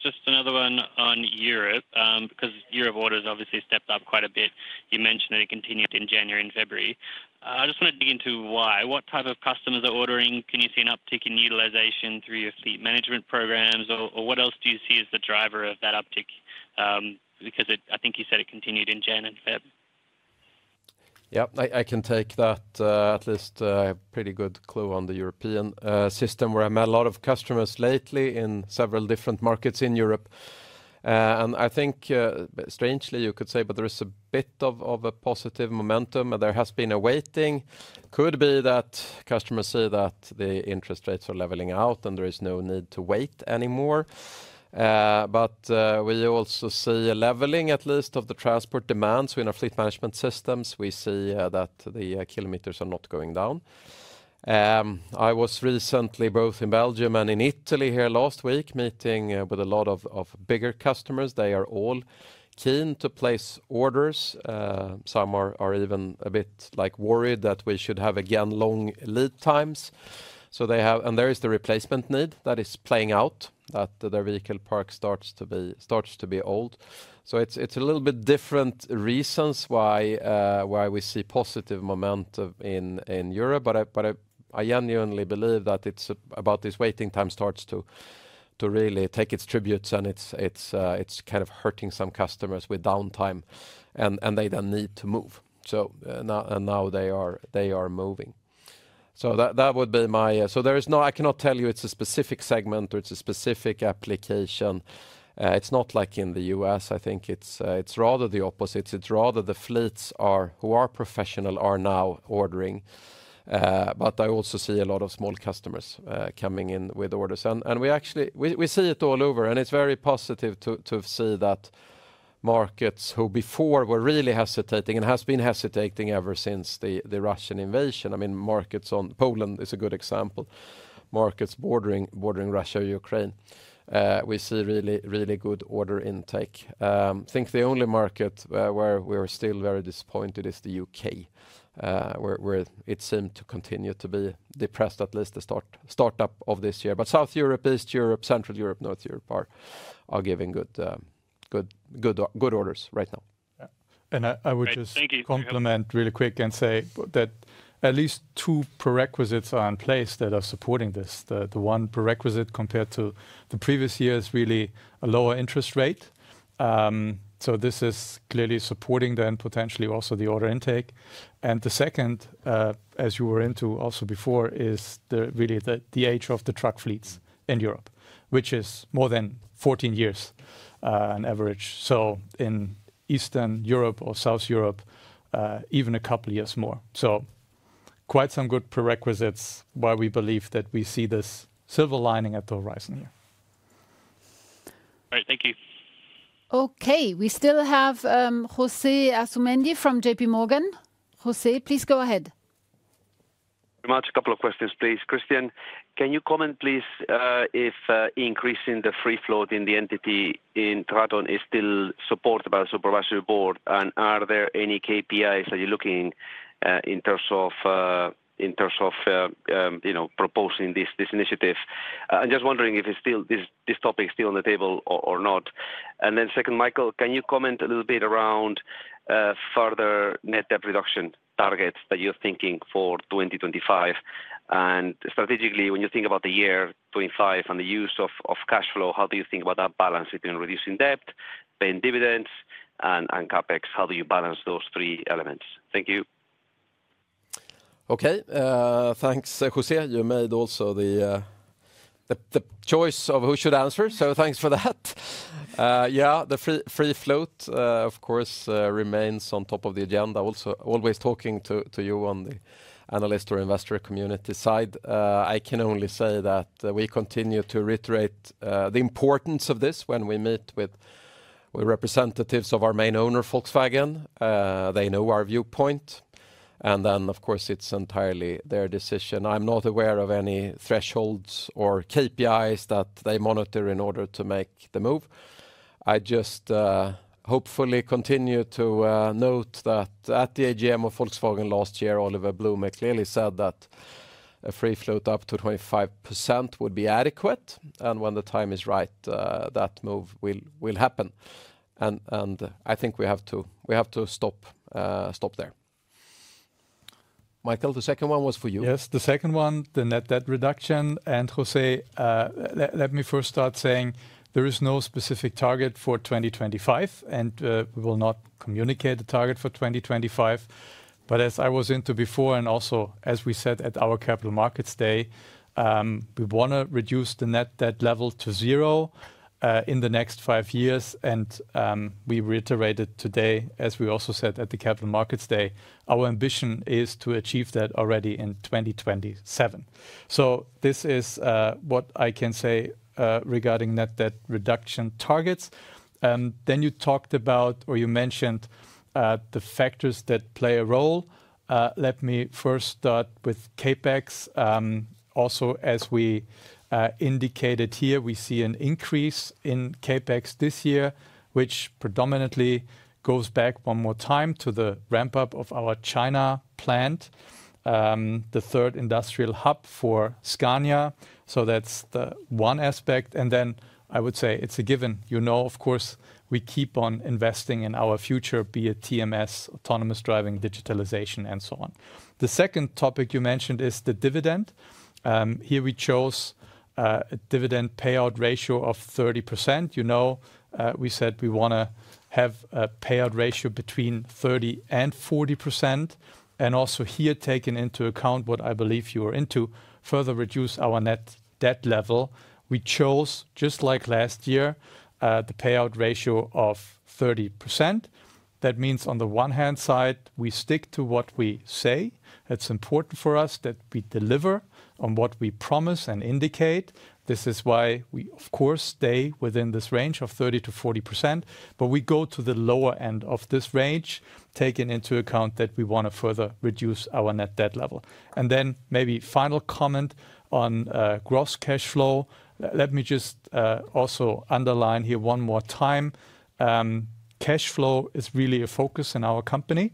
Just another one on Europe, because Europe orders obviously stepped up quite a bit. You mentioned that it continued in January and February. I just want to dig into why. What type of customers are ordering? Can you see an uptick in utilization through your fleet management programs, or what else do you see as the driver of that uptick? Because I think you said it continued in January and February. Yep, I can take that. At least a pretty good clue on the European system where I met a lot of customers lately in several different markets in Europe. I think, strangely, you could say, but there is a bit of a positive momentum. There has been a waiting. Could be that customers see that the interest rates are leveling out and there is no need to wait anymore. We also see a leveling, at least, of the transport demands in our fleet management systems. We see that the kilometers are not going down. I was recently both in Belgium and in Italy here last week, meeting with a lot of bigger customers. They are all keen to place orders. Some are even a bit worried that we should have again long lead times. There is the replacement need that is playing out, that their vehicle park starts to be old. It's a little bit different reasons why we see positive momentum in Europe. I genuinely believe that it's about this waiting time starts to really take its tributes and it's kind of hurting some customers with downtime, and they then need to move. Now they are moving. That would be my... I cannot tell you it's a specific segment or it's a specific application. It's not like in the U.S. I think it's rather the opposite. It's rather the fleets who are professional are now ordering. I also see a lot of small customers coming in with orders. We see it all over. It is very positive to see that markets who before were really hesitating and have been hesitating ever since the Russian invasion. I mean, markets like Poland is a good example. Markets bordering Russia or Ukraine. We see really good order intake. I think the only market where we are still very disappointed is the U.K., where it seemed to continue to be depressed, at least the startup of this year. South Europe, East Europe, Central Europe, North Europe are giving good orders right now. I would just complement really quick and say that at least two prerequisites are in place that are supporting this. The one prerequisite compared to the previous year is really a lower interest rate. This is clearly supporting then potentially also the order intake. The second, as you were into also before, is really the age of the truck fleets in Europe, which is more than 14 years on average. In Eastern Europe or South Europe, even a couple of years more. Quite some good prerequisites why we believe that we see this silver lining at the horizon here. All right, thank you. Okay, we still have José Asumendi from JP Morgan. José, please go ahead. Very much. A couple of questions, please. Christian, can you comment, please, if increasing the free float in the entity in TRATON is still supported by the Supervisory Board? Are there any KPIs that you're looking in terms of proposing this initiative? I'm just wondering if this topic is still on the table or not. And then second, Michael, can you comment a little bit around further net debt reduction targets that you're thinking for 2025? Strategically, when you think about the year 2025 and the use of Cash flow, how do you think about that balance between reducing debt, paying dividends, and CapEx? How do you balance those three elements? Thank you. Okay, thanks, José. You made also the choice of who should answer. Thanks for that. The free float, of course, remains on top of the agenda. Always talking to you on the analyst or investor community side. I can only say that we continue to reiterate the importance of this when we meet with representatives of our main owner, Volkswagen. They know our viewpoint. Of course, it is entirely their decision. I'm not aware of any thresholds or KPIs that they monitor in order to make the move. I just hopefully continue to note that at the AGM of Volkswagen last year, Oliver Blume clearly said that a free float up to 25% would be adequate. When the time is right, that move will happen. I think we have to stop there. Michael, the second one was for you. Yes, the second one, the net debt reduction. José, let me first start saying there is no specific target for 2025, and we will not communicate a target for 2025. As I was into before, and also as we said at our Capital Markets Day, we want to reduce the net debt level to zero in the next five years. We reiterated today, as we also said at the Capital Markets Day, our ambition is to achieve that already in 2027. This is what I can say regarding net debt reduction targets. You talked about, or you mentioned the factors that play a role. Let me first start with CapEx. Also, as we indicated here, we see an increase in CapEx this year, which predominantly goes back one more time to the ramp-up of our China plant, the third industrial hub for Scania. That is the one aspect. I would say it is a given. You know, of course, we keep on investing in our future, be it TMS, autonomous driving, digitalization, and so on. The second topic you mentioned is the dividend. Here we chose a dividend payout ratio of 30%. You know, we said we want to have a payout ratio between 30% and 40%. Also here, taken into account what I believe you are into, further reduce our net debt level. We chose, just like last year, the payout ratio of 30%. That means on the one hand side, we stick to what we say. It's important for us that we deliver on what we promise and indicate. This is why we, of course, stay within this range of 30%-40%. We go to the lower end of this range, taking into account that we want to further reduce our net debt level. Maybe final comment on gross cash flow. Let me just also underline here one more time. Cash flow is really a focus in our company.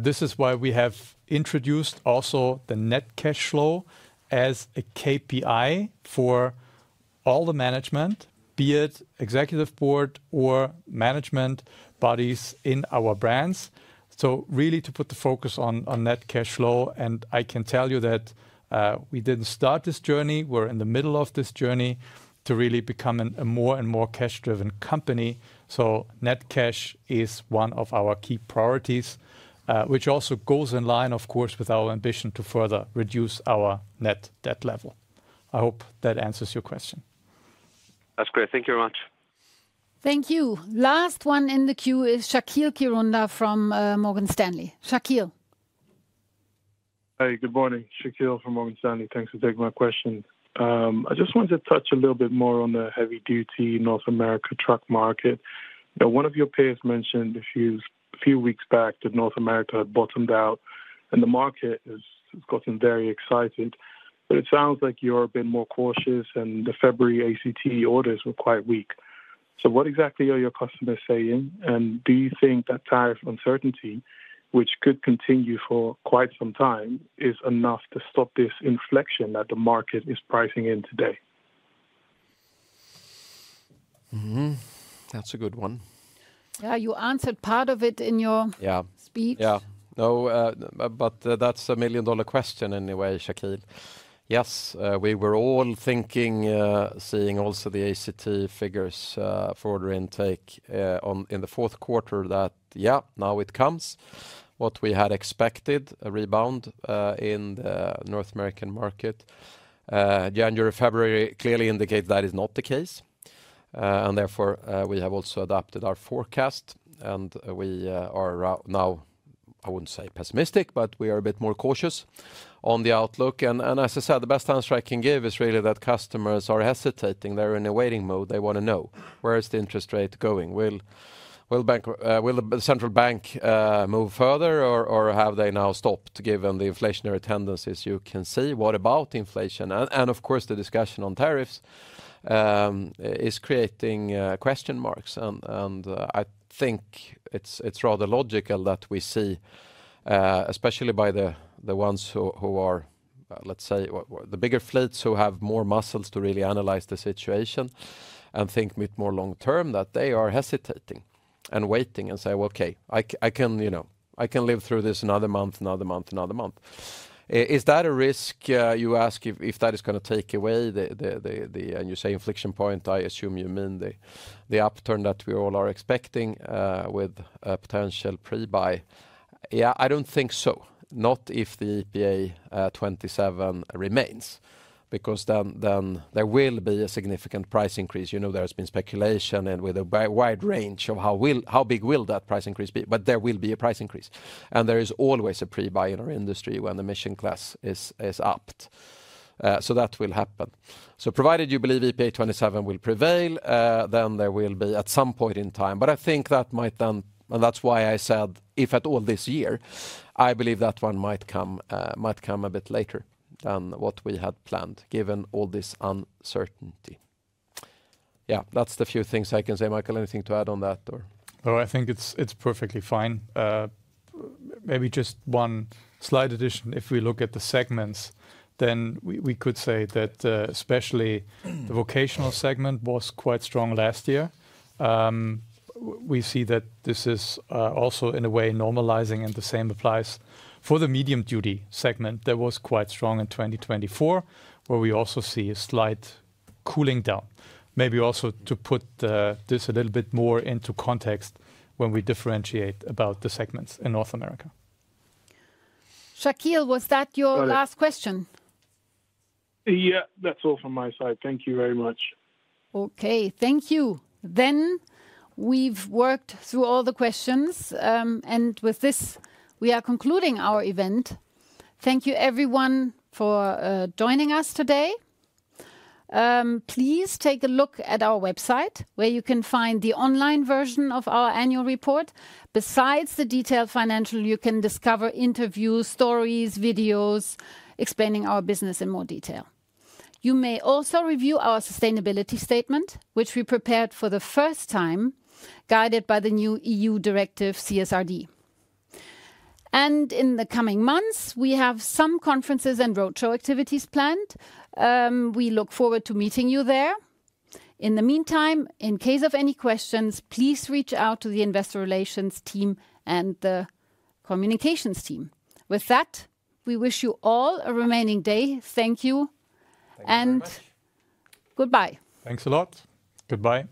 This is why we have introduced also the Net cash flow as a KPI for all the management, be it executive board or management bodies in our brands. Really to put the focus on Net cash flow. I can tell you that we didn't start this journey. We're in the middle of this journey to really become a more and more cash-driven company. Net cash is one of our key priorities, which also goes in line, of course, with our ambition to further reduce our net debt level. I hope that answers your question. That's great. Thank you very much. Thank you. Last one in the queue is Shaqeal Kirunda from Morgan Stanley. Shaqeal Hey, good morning. Shaqeal from Morgan Stanley. Thanks for taking my question. I just wanted to touch a little bit more on the heavy-duty North America truck market. One of your peers mentioned a few weeks back that North America had bottomed out, and the market has gotten very excited. It sounds like you're a bit more cautious, and the February ACT orders were quite weak. What exactly are your customers saying? Do you think that tariff uncertainty, which could continue for quite some time, is enough to stop this inflection that the market is pricing in today? That's a good one. Yeah, you answered part of it in your speech. Yeah, no, but that's a million-dollar question anyway, Shaqeal. Yes, we were all thinking, seeing also the ACT figures for order intake in the fourth quarter that, yeah, now it comes. What we had expected, a rebound in the North American market. January, February clearly indicate that is not the case. Therefore, we have also adopted our forecast. We are now, I wouldn't say pessimistic, but we are a bit more cautious on the outlook. As I said, the best answer I can give is really that customers are hesitating. They're in a waiting mode. They want to know where is the interest rate going? Will the central bank move further, or have they now stopped given the inflationary tendencies you can see? What about inflation? The discussion on tariffs is creating question marks. I think it's rather logical that we see, especially by the ones who are, let's say, the bigger fleets who have more muscles to really analyze the situation and think a bit more long term, that they are hesitating and waiting and say, okay, I can live through this another month, another month, another month. Is that a risk, you ask, if that is going to take away the, and you say inflection point, I assume you mean the upturn that we all are expecting with a potential pre-buy. I don't think so. Not if the EPA 27 remains, because then there will be a significant price increase. You know, there has been speculation and with a wide range of how big will that price increase be, but there will be a price increase. There is always a pre-buy in our industry when the emission class is upped. That will happen. Provided you believe EPA 27 will prevail, then there will be at some point in time. I think that might then, and that's why I said if at all this year, I believe that one might come a bit later than what we had planned, given all this uncertainty. Yeah, that's the few things I can say. Michael, anything to add on that? Oh, I think it's perfectly fine. Maybe just one slight addition. If we look at the segments, then we could say that especially the vocational segment was quite strong last year. We see that this is also in a way normalizing, and the same applies for the medium duty segment that was quite strong in 2024, where we also see a slight cooling down. Maybe also to put this a little bit more into context when we differentiate about the segments in North America. Shaqeal, was that your last question? Yeah, that's all from my side. Thank you very much. Okay, thank you. We have worked through all the questions. With this, we are concluding our event. Thank you, everyone, for joining us today. Please take a look at our website where you can find the online version of our annual report. Besides the detailed financials, you can discover interviews, stories, videos explaining our business in more detail. You may also review our sustainability statement, which we prepared for the first time, guided by the new EU directive CSRD. In the coming months, we have some conferences and roadshow activities planned. We look forward to meeting you there. In the meantime, in case of any questions, please reach out to the investor relations team and the communications team. With that, we wish you all a remaining day. Thank you and goodbye. Thanks a lot. Goodbye.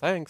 Thanks.